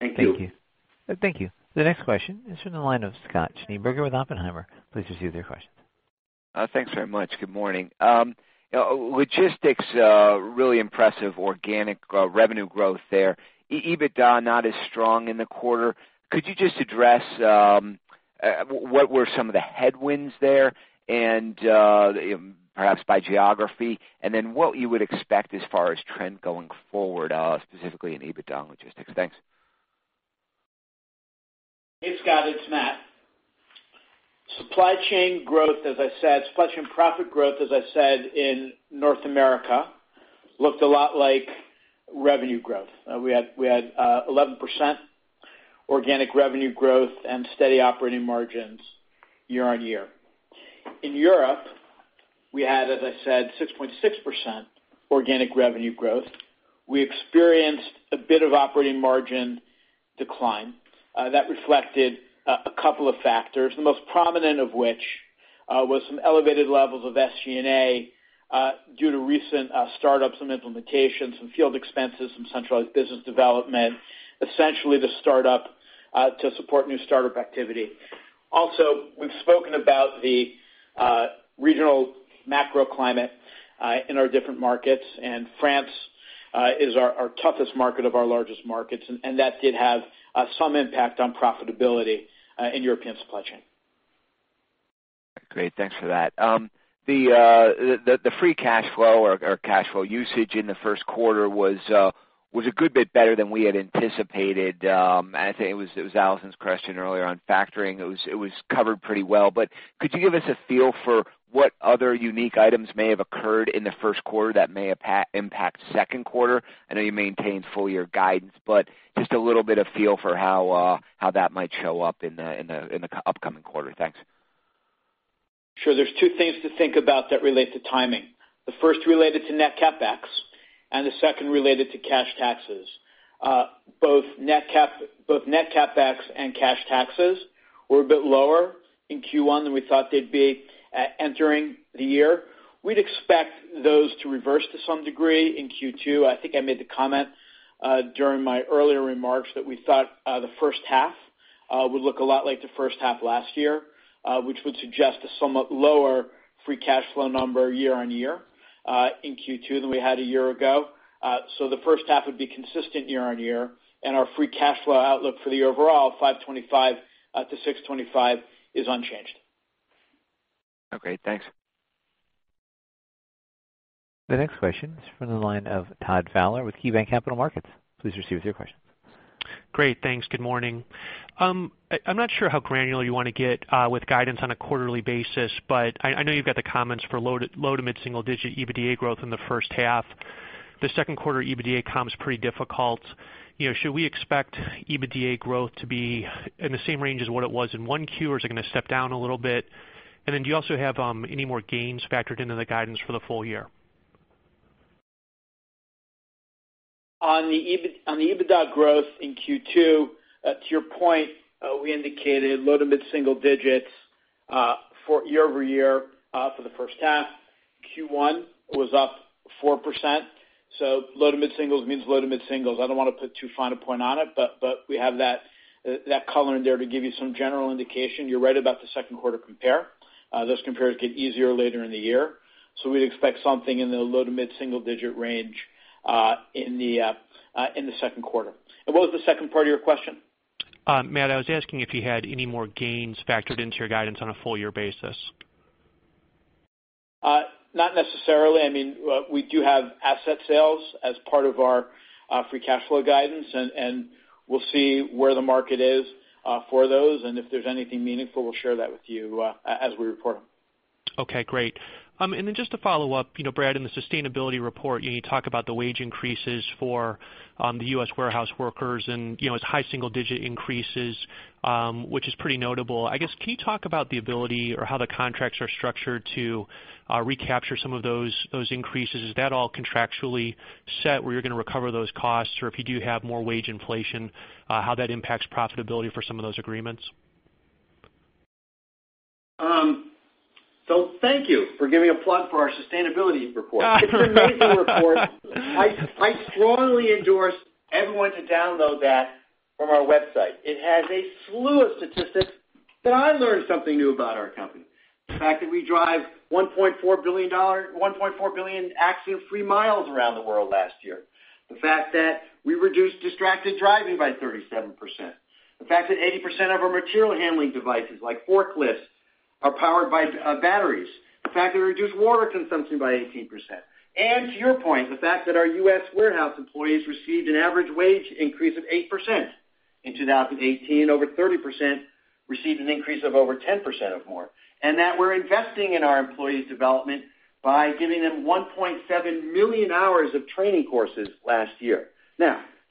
Thank you. Thank you. Thank you. The next question is from the line of Scott Schneeberger with Oppenheimer. Please proceed with your question. Thanks very much. Good morning. Logistics, really impressive organic revenue growth there. EBITDA not as strong in the quarter. Could you just address what were some of the headwinds there and perhaps by geography, and then what you would expect as far as trend going forward, specifically in EBITDA and logistics? Thanks. Hey, Scott, it's Matt. Supply chain profit growth, as I said, in North America looked a lot like revenue growth. We had 11% organic revenue growth and steady operating margins year-on-year. In Europe, we had, as I said, 6.6% organic revenue growth. We experienced a bit of operating margin decline that reflected a couple of factors, the most prominent of which was some elevated levels of SG&A due to recent startups and implementations, some field expenses, some centralized business development, essentially to support new startup activity. Also, we've spoken about the regional macro climate in our different markets, and France is our toughest market of our largest markets, and that did have some impact on profitability in European supply chain. Great. Thanks for that. The free cash flow or cash flow usage in the first quarter was a good bit better than we had anticipated. I think it was Allison's question earlier on factoring. It was covered pretty well. Could you give us a feel for what other unique items may have occurred in the first quarter that may impact second quarter? I know you maintained full-year guidance, but just a little bit of feel for how that might show up in the upcoming quarter. Thanks. Sure. There's two things to think about that relate to timing. The first related to net CapEx, and the second related to cash taxes. Both net CapEx and cash taxes were a bit lower in Q1 than we thought they'd be entering the year. We'd expect those to reverse to some degree in Q2. I think I made the comment during my earlier remarks that we thought the first half would look a lot like the first half last year, which would suggest a somewhat lower free cash flow number year-on-year in Q2 than we had a year ago. The first half would be consistent year-on-year, and our free cash flow outlook for the overall $525-$625 is unchanged. Okay, thanks. The next question is from the line of Todd Fowler with KeyBanc Capital Markets. Please proceed with your question. Great. Thanks. Good morning. I'm not sure how granular you want to get with guidance on a quarterly basis, but I know you've got the comments for low to mid-single digit EBITDA growth in the first half. The second quarter EBITDA comp's pretty difficult. Should we expect EBITDA growth to be in the same range as what it was in 1Q, or is it going to step down a little bit? Do you also have any more gains factored into the guidance for the full year? On the EBITDA growth in Q2, to your point, we indicated low to mid-single digits for year-over-year for the first half. Q1 was up 4%, so low to mid-singles means low to mid-singles. I don't want to put too fine a point on it, but we have that color in there to give you some general indication. You're right about the second quarter compare. Those compares get easier later in the year. We'd expect something in the low to mid-single digit range in the second quarter. What was the second part of your question? Matt, I was asking if you had any more gains factored into your guidance on a full-year basis. Not necessarily. We do have asset sales as part of our free cash flow guidance. We'll see where the market is for those. If there's anything meaningful, we'll share that with you as we report them. Okay, great. Just to follow up, Brad, in the sustainability report, you talk about the wage increases for the U.S. warehouse workers and its high single-digit increases, which is pretty notable. Can you talk about the ability or how the contracts are structured to recapture some of those increases? Is that all contractually set where you're going to recover those costs? If you do have more wage inflation, how that impacts profitability for some of those agreements? Thank you for giving a plug for our sustainability report. It's an amazing report. I strongly endorse everyone to download that from our website. It has a slew of statistics that I learned something new about our company. The fact that we drove 1.4 billion accident-free miles around the world last year. The fact that we reduced distracted driving by 37%. The fact that 80% of our material handling devices, like forklifts, are powered by batteries. The fact that we reduced water consumption by 18%. To your point, the fact that our U.S. warehouse employees received an average wage increase of 8% in 2018. Over 30% received an increase of over 10% or more. That we're investing in our employees' development by giving them 1.7 million hours of training courses last year.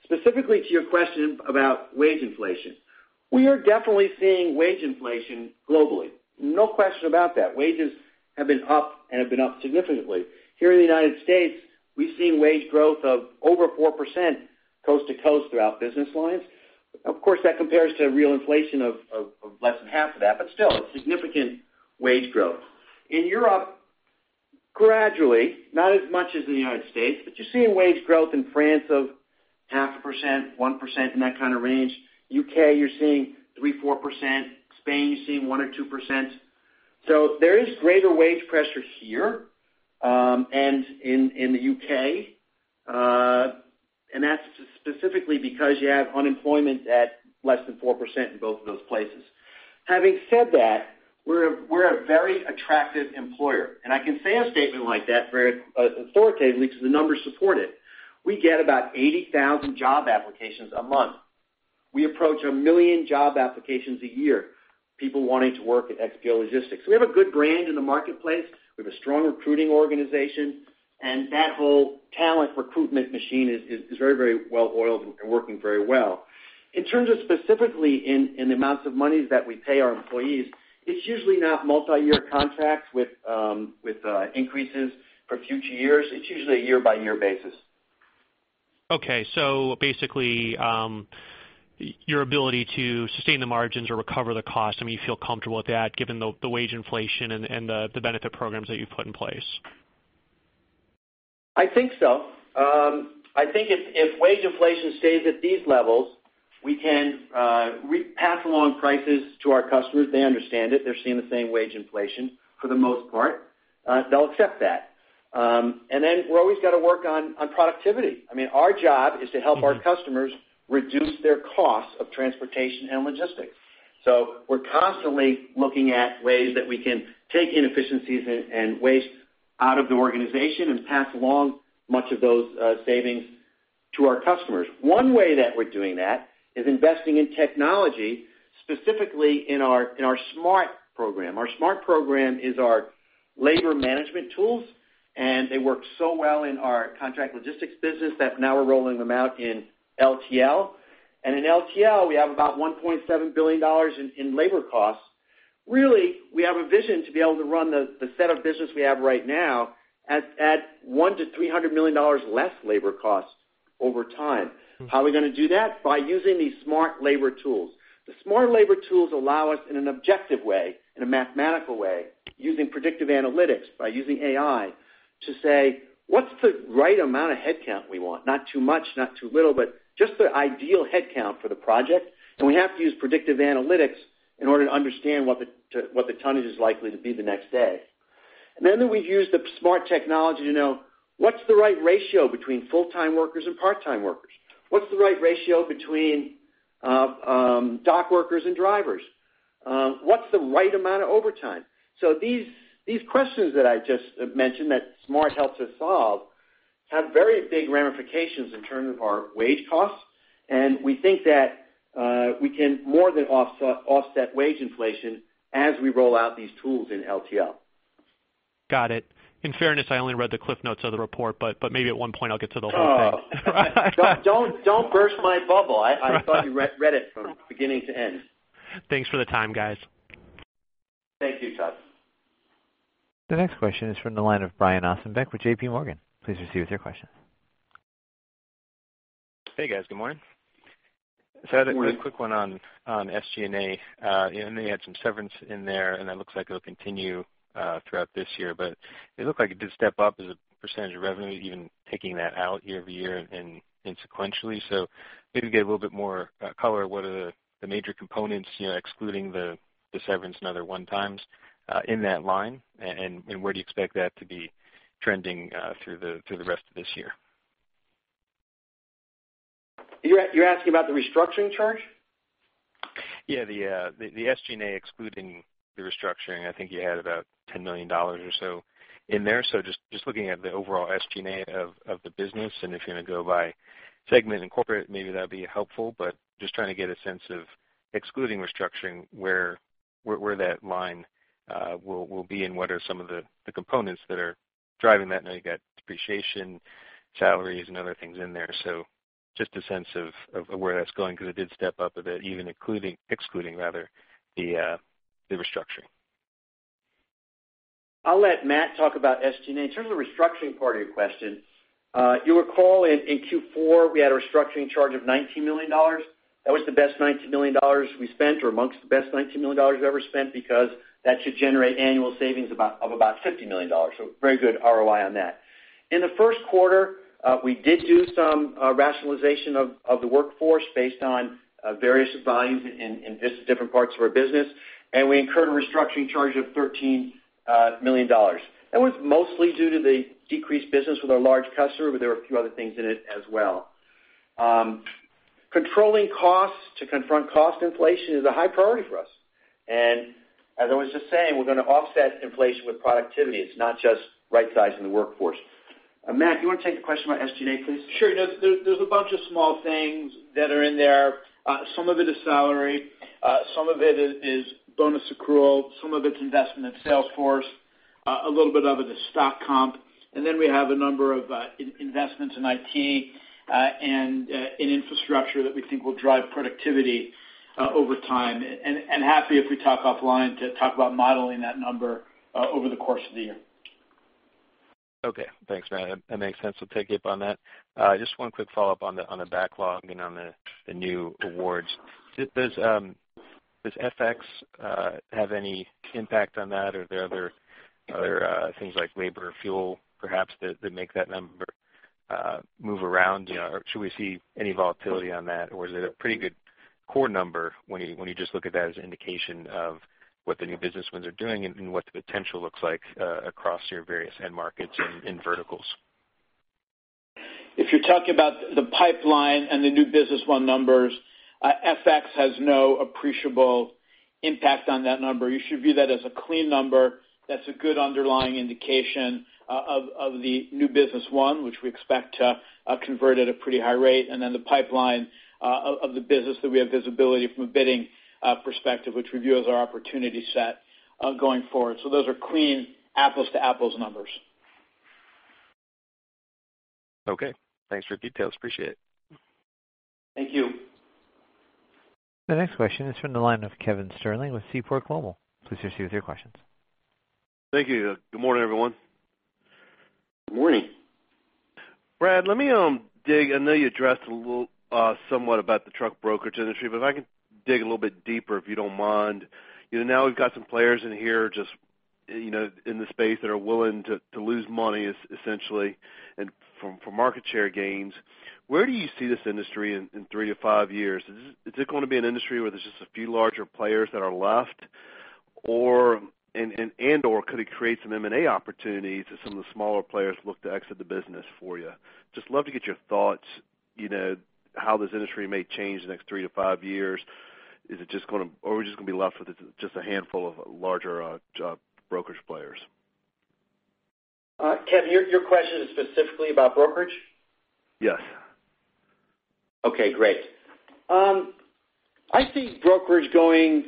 Specifically to your question about wage inflation. We are definitely seeing wage inflation globally. No question about that. Wages have been up, and have been up significantly. Here in the United States, we've seen wage growth of over 4% coast to coast throughout business lines. Of course, that compares to real inflation of less than half of that. Still, it's significant wage growth. In Europe, gradually, not as much as in the United States. You're seeing wage growth in France of half a percent, 1%, in that kind of range. U.K., you're seeing 3%-4%. Spain, you're seeing 1% or 2%. There is greater wage pressure here, and in the U.K. That's specifically because you have unemployment at less than 4% in both of those places. Having said that, we're a very attractive employer, and I can say a statement like that very authoritatively because the numbers support it. We get about 80,000 job applications a month. We approach a million job applications a year, people wanting to work at XPO Logistics. We have a good brand in the marketplace, we have a strong recruiting organization, and that whole talent recruitment machine is very well-oiled and working very well. In terms of specifically in the amounts of money that we pay our employees, it's usually not multi-year contracts with increases for future years. It's usually a year-by-year basis. Okay. Basically, your ability to sustain the margins or recover the cost, you feel comfortable with that given the wage inflation and the benefit programs that you've put in place? I think so. I think if wage inflation stays at these levels, we can pass along prices to our customers. They understand it. They're seeing the same wage inflation for the most part. They'll accept that. We've always got to work on productivity. Our job is to help our customers reduce their costs of transportation and logistics. We're constantly looking at ways that we can take inefficiencies and waste out of the organization and pass along much of those savings to our customers. One way that we're doing that is investing in technology, specifically in our XPO Smart program. Our XPO Smart program is our labor management tools, and they work so well in our contract logistics business that now we're rolling them out in LTL. In LTL, we have about $1.7 billion in labor costs. We have a vision to be able to run the set of business we have right now at $100 million-$300 million less labor costs over time. How are we going to do that? By using these Smart labor tools. The Smart labor tools allow us, in an objective way, in a mathematical way, using predictive analytics, by using AI, to say, "What's the right amount of headcount we want? Not too much, not too little, but just the ideal headcount for the project." We have to use predictive analytics in order to understand what the tonnage is likely to be the next day. We use the Smart technology to know what's the right ratio between full-time workers and part-time workers. What's the right ratio between dock workers and drivers? What's the right amount of overtime? These questions that I just mentioned that Smart helps us solve have very big ramifications in terms of our wage costs, and we think that we can more than offset wage inflation as we roll out these tools in LTL. Got it. In fairness, I only read the CliffsNotes of the report, but maybe at one point I'll get to the whole thing. Oh. Don't burst my bubble. I thought you read it from beginning to end. Thanks for the time, guys. Thank you, Todd. The next question is from the line of Brian Ossenbeck with JPMorgan. Please proceed with your question. Hey, guys. Good morning. Good morning. Just had a quick one on SG&A. I know you had some severance in there, that looks like it'll continue throughout this year. It looked like it did step up as a percentage of revenue, even taking that out year-over-year and sequentially. Maybe get a little bit more color. What are the major components, excluding the severance and other one-times in that line? Where do you expect that to be trending through the rest of this year? You're asking about the restructuring charge? Yeah. The SG&A excluding the restructuring. I think you had about $10 million or so in there. Just looking at the overall SG&A of the business, if you're going to go by segment and corporate, maybe that'd be helpful. Just trying to get a sense of excluding restructuring, where that line will be, what are some of the components that are driving that. I know you got depreciation, salaries, and other things in there. Just a sense of where that's going because it did step up a bit, even excluding the restructuring. I'll let Matt talk about SG&A. In terms of the restructuring part of your question, you'll recall in Q4, we had a restructuring charge of $19 million. That was the best $19 million we spent, or amongst the best $19 million ever spent because that should generate annual savings of about $50 million. Very good ROI on that. In the first quarter, we did do some rationalization of the workforce based on various volumes in different parts of our business, and we incurred a restructuring charge of $13 million. That was mostly due to the decreased business with our large customer, but there were a few other things in it as well. Controlling costs to confront cost inflation is a high priority for us. As I was just saying, we're going to offset inflation with productivity. It's not just right-sizing the workforce. Matt, you want to take the question about SG&A, please? Sure. There's a bunch of small things that are in there. Some of it is salary, some of it is bonus accrual, some of it's investment in sales force, a little bit of it is stock comp. Then we have a number of investments in IT, and in infrastructure that we think will drive productivity over time. Happy if we talk offline to talk about modeling that number over the course of the year. Okay. Thanks, Matt. That makes sense. We'll pick up on that. Just one quick follow-up on the backlog and on the new awards. Does FX have any impact on that or are there other things like labor, fuel perhaps that make that number move around? Should we see any volatility on that or is it a pretty good core number when you just look at that as an indication of what the new business wins are doing and what the potential looks like across your various end markets and in verticals? If you're talking about the pipeline and the new business won numbers, FX has no appreciable impact on that number. You should view that as a clean number. That's a good underlying indication of the new business won, which we expect to convert at a pretty high rate. The pipeline of the business that we have visibility from a bidding perspective, which we view as our opportunity set going forward. Those are clean apples-to-apples numbers. Okay, thanks for the details. Appreciate it. Thank you. The next question is from the line of Kevin Sterling with Seaport Global. Please proceed with your questions. Thank you. Good morning, everyone. Good morning. Brad, let me dig. I know you addressed a little somewhat about the truck brokerage industry, but if I can dig a little bit deeper, if you don't mind. Now we've got some players in here, just in the space that are willing to lose money, essentially, and for market share gains. Where do you see this industry in 3-5 years? Is it going to be an industry where there's just a few larger players that are left or, and/or could it create some M&A opportunities as some of the smaller players look to exit the business for you? Just love to get your thoughts, how this industry may change the next 3-5 years. Are we just going to be left with just a handful of larger brokerage players? Kevin, your question is specifically about brokerage? Yes. Okay, great. I see brokerage going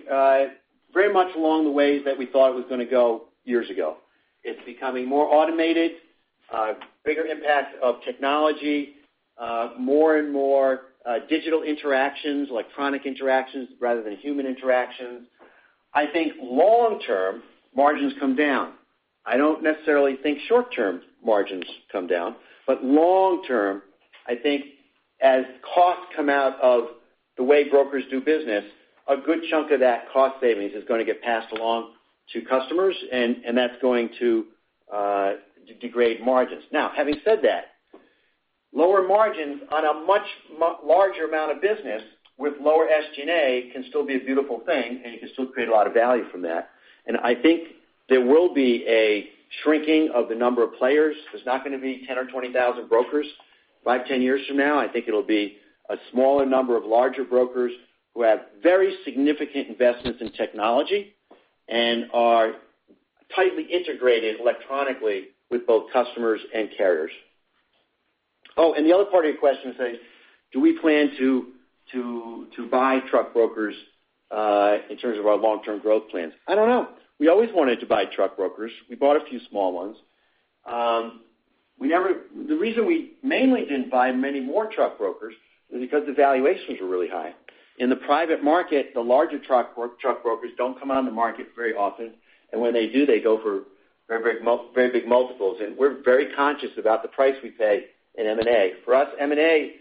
very much along the ways that we thought it was going to go years ago. It's becoming more automated, bigger impact of technology, more and more digital interactions, electronic interactions rather than human interactions. I think long term, margins come down. I don't necessarily think short term margins come down, but long term, I think as costs come out of the way brokers do business, a good chunk of that cost savings is going to get passed along to customers, and that's going to degrade margins. Having said that, lower margins on a much larger amount of business with lower SG&A can still be a beautiful thing, and you can still create a lot of value from that. I think there will be a shrinking of the number of players. There's not going to be 10 or 20,000 brokers five, 10 years from now. I think it'll be a smaller number of larger brokers who have very significant investments in technology and are tightly integrated electronically with both customers and carriers. The other part of your question says, do we plan to buy truck brokers, in terms of our long-term growth plans? I don't know. We always wanted to buy truck brokers. We bought a few small ones. The reason we mainly didn't buy many more truck brokers was because the valuations were really high. In the private market, the larger truck brokers don't come on the market very often, and when they do, they go for very big multiples, and we're very conscious about the price we pay in M&A. For us, M&A,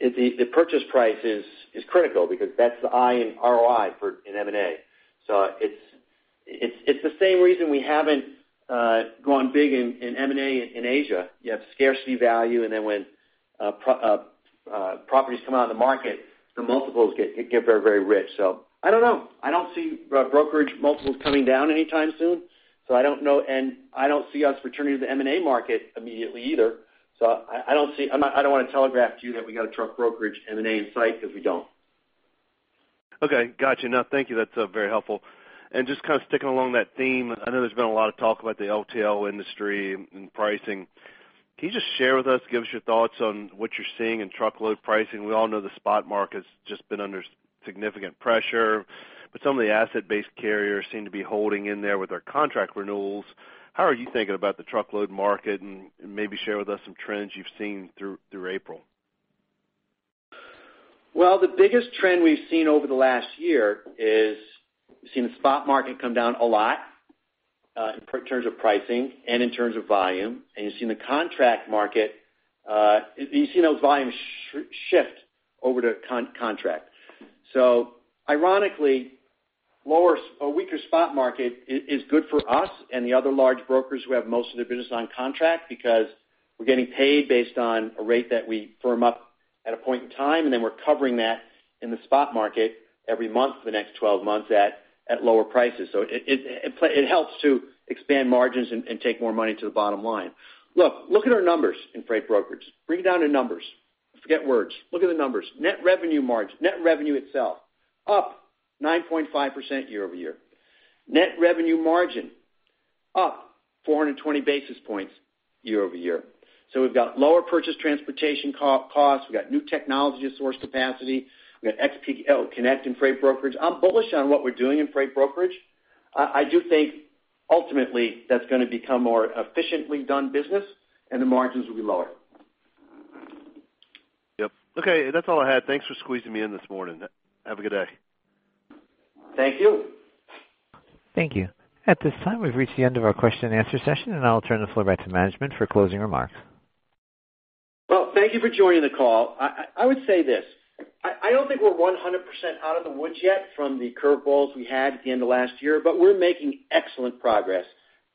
the purchase price is critical because that's the I in ROI in M&A. It's the same reason we haven't gone big in M&A in Asia. You have scarcity value, and then when properties come out of the market, the multiples get very rich. I don't know. I don't see brokerage multiples coming down anytime soon, I don't know. I don't see us returning to the M&A market immediately either. I don't want to telegraph to you that we got a truck brokerage M&A in sight, because we don't. Okay, got you. Thank you. That's very helpful. Just kind of sticking along that theme, I know there's been a lot of talk about the LTL industry and pricing. Can you just share with us, give us your thoughts on what you're seeing in truckload pricing? We all know the spot market has just been under significant pressure, some of the asset-based carriers seem to be holding in there with their contract renewals. How are you thinking about the truckload market, and maybe share with us some trends you've seen through April? Well, the biggest trend we've seen over the last year is we've seen the spot market come down a lot, in terms of pricing and in terms of volume. You've seen the contract market, you've seen those volumes shift over to contract. Ironically, a weaker spot market is good for us and the other large brokers who have most of their business on contract because we're getting paid based on a rate that we firm up at a point in time, and then we're covering that in the spot market every month for the next 12 months at lower prices. It helps to expand margins and take more money to the bottom line. Look at our numbers in freight brokerage. Break it down to numbers. Forget words, look at the numbers. Net revenue margin, net revenue itself, up 9.5% year-over-year. Net revenue margin, up 420 basis points year-over-year. We've got lower purchase transportation costs. We've got new technology to source capacity. We got XPO Connect and freight brokerage. I'm bullish on what we're doing in freight brokerage. I do think ultimately that's going to become more efficiently done business and the margins will be lower. Yep. Okay. That's all I had. Thanks for squeezing me in this morning. Have a good day. Thank you. Thank you. At this time, we've reached the end of our question and answer session, and I'll turn the floor back to management for closing remarks. Well, thank you for joining the call. I would say this, I don't think we're 100% out of the woods yet from the curveballs we had at the end of last year, but we're making excellent progress,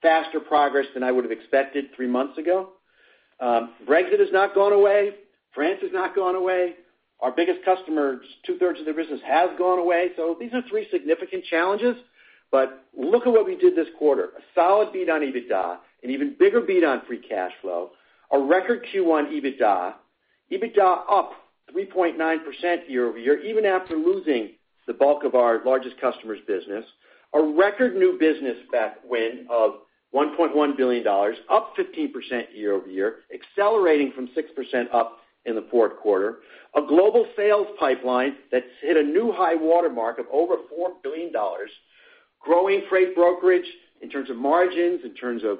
faster progress than I would have expected three months ago. Brexit has not gone away. France has not gone away. Our biggest customer, two-thirds of their business has gone away. These are three significant challenges. Look at what we did this quarter. A solid beat on EBITDA, an even bigger beat on free cash flow, a record Q1 EBITDA. EBITDA up 3.9% year-over-year, even after losing the bulk of our largest customer's business. A record new business win of $1.1 billion, up 15% year-over-year, accelerating from 6% up in the fourth quarter. A global sales pipeline that's hit a new high water mark of over $4 billion. Growing freight brokerage in terms of margins, in terms of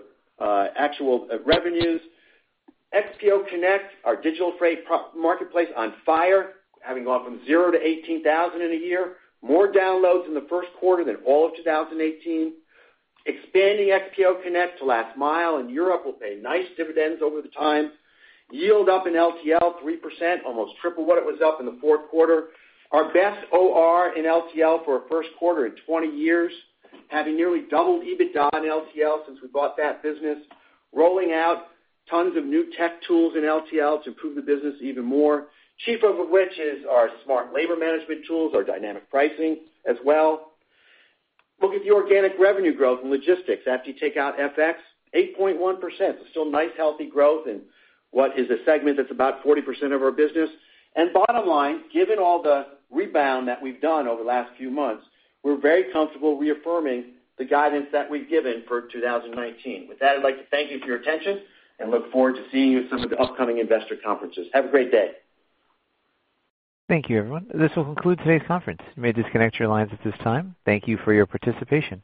actual revenues. XPO Connect, our digital freight marketplace, on fire, having gone from zero to 18,000 in a year. More downloads in the first quarter than all of 2018. Expanding XPO Connect to Last Mile in Europe will pay nice dividends over the time. Yield up in LTL 3%, almost triple what it was up in the fourth quarter. Our best OR in LTL for a first quarter in 20 years, having nearly doubled EBITDA on LTL since we bought that business. Rolling out tons of new tech tools in LTL to improve the business even more. Chief of which is our smart labor management tools, our dynamic pricing as well. Look at the organic revenue growth in logistics after you take out FX, 8.1%, so still nice healthy growth in what is a segment that's about 40% of our business. Bottom line, given all the rebound that we've done over the last few months, we're very comfortable reaffirming the guidance that we've given for 2019. With that, I'd like to thank you for your attention and look forward to seeing you at some of the upcoming investor conferences. Have a great day. Thank you everyone. This will conclude today's conference. You may disconnect your lines at this time. Thank you for your participation.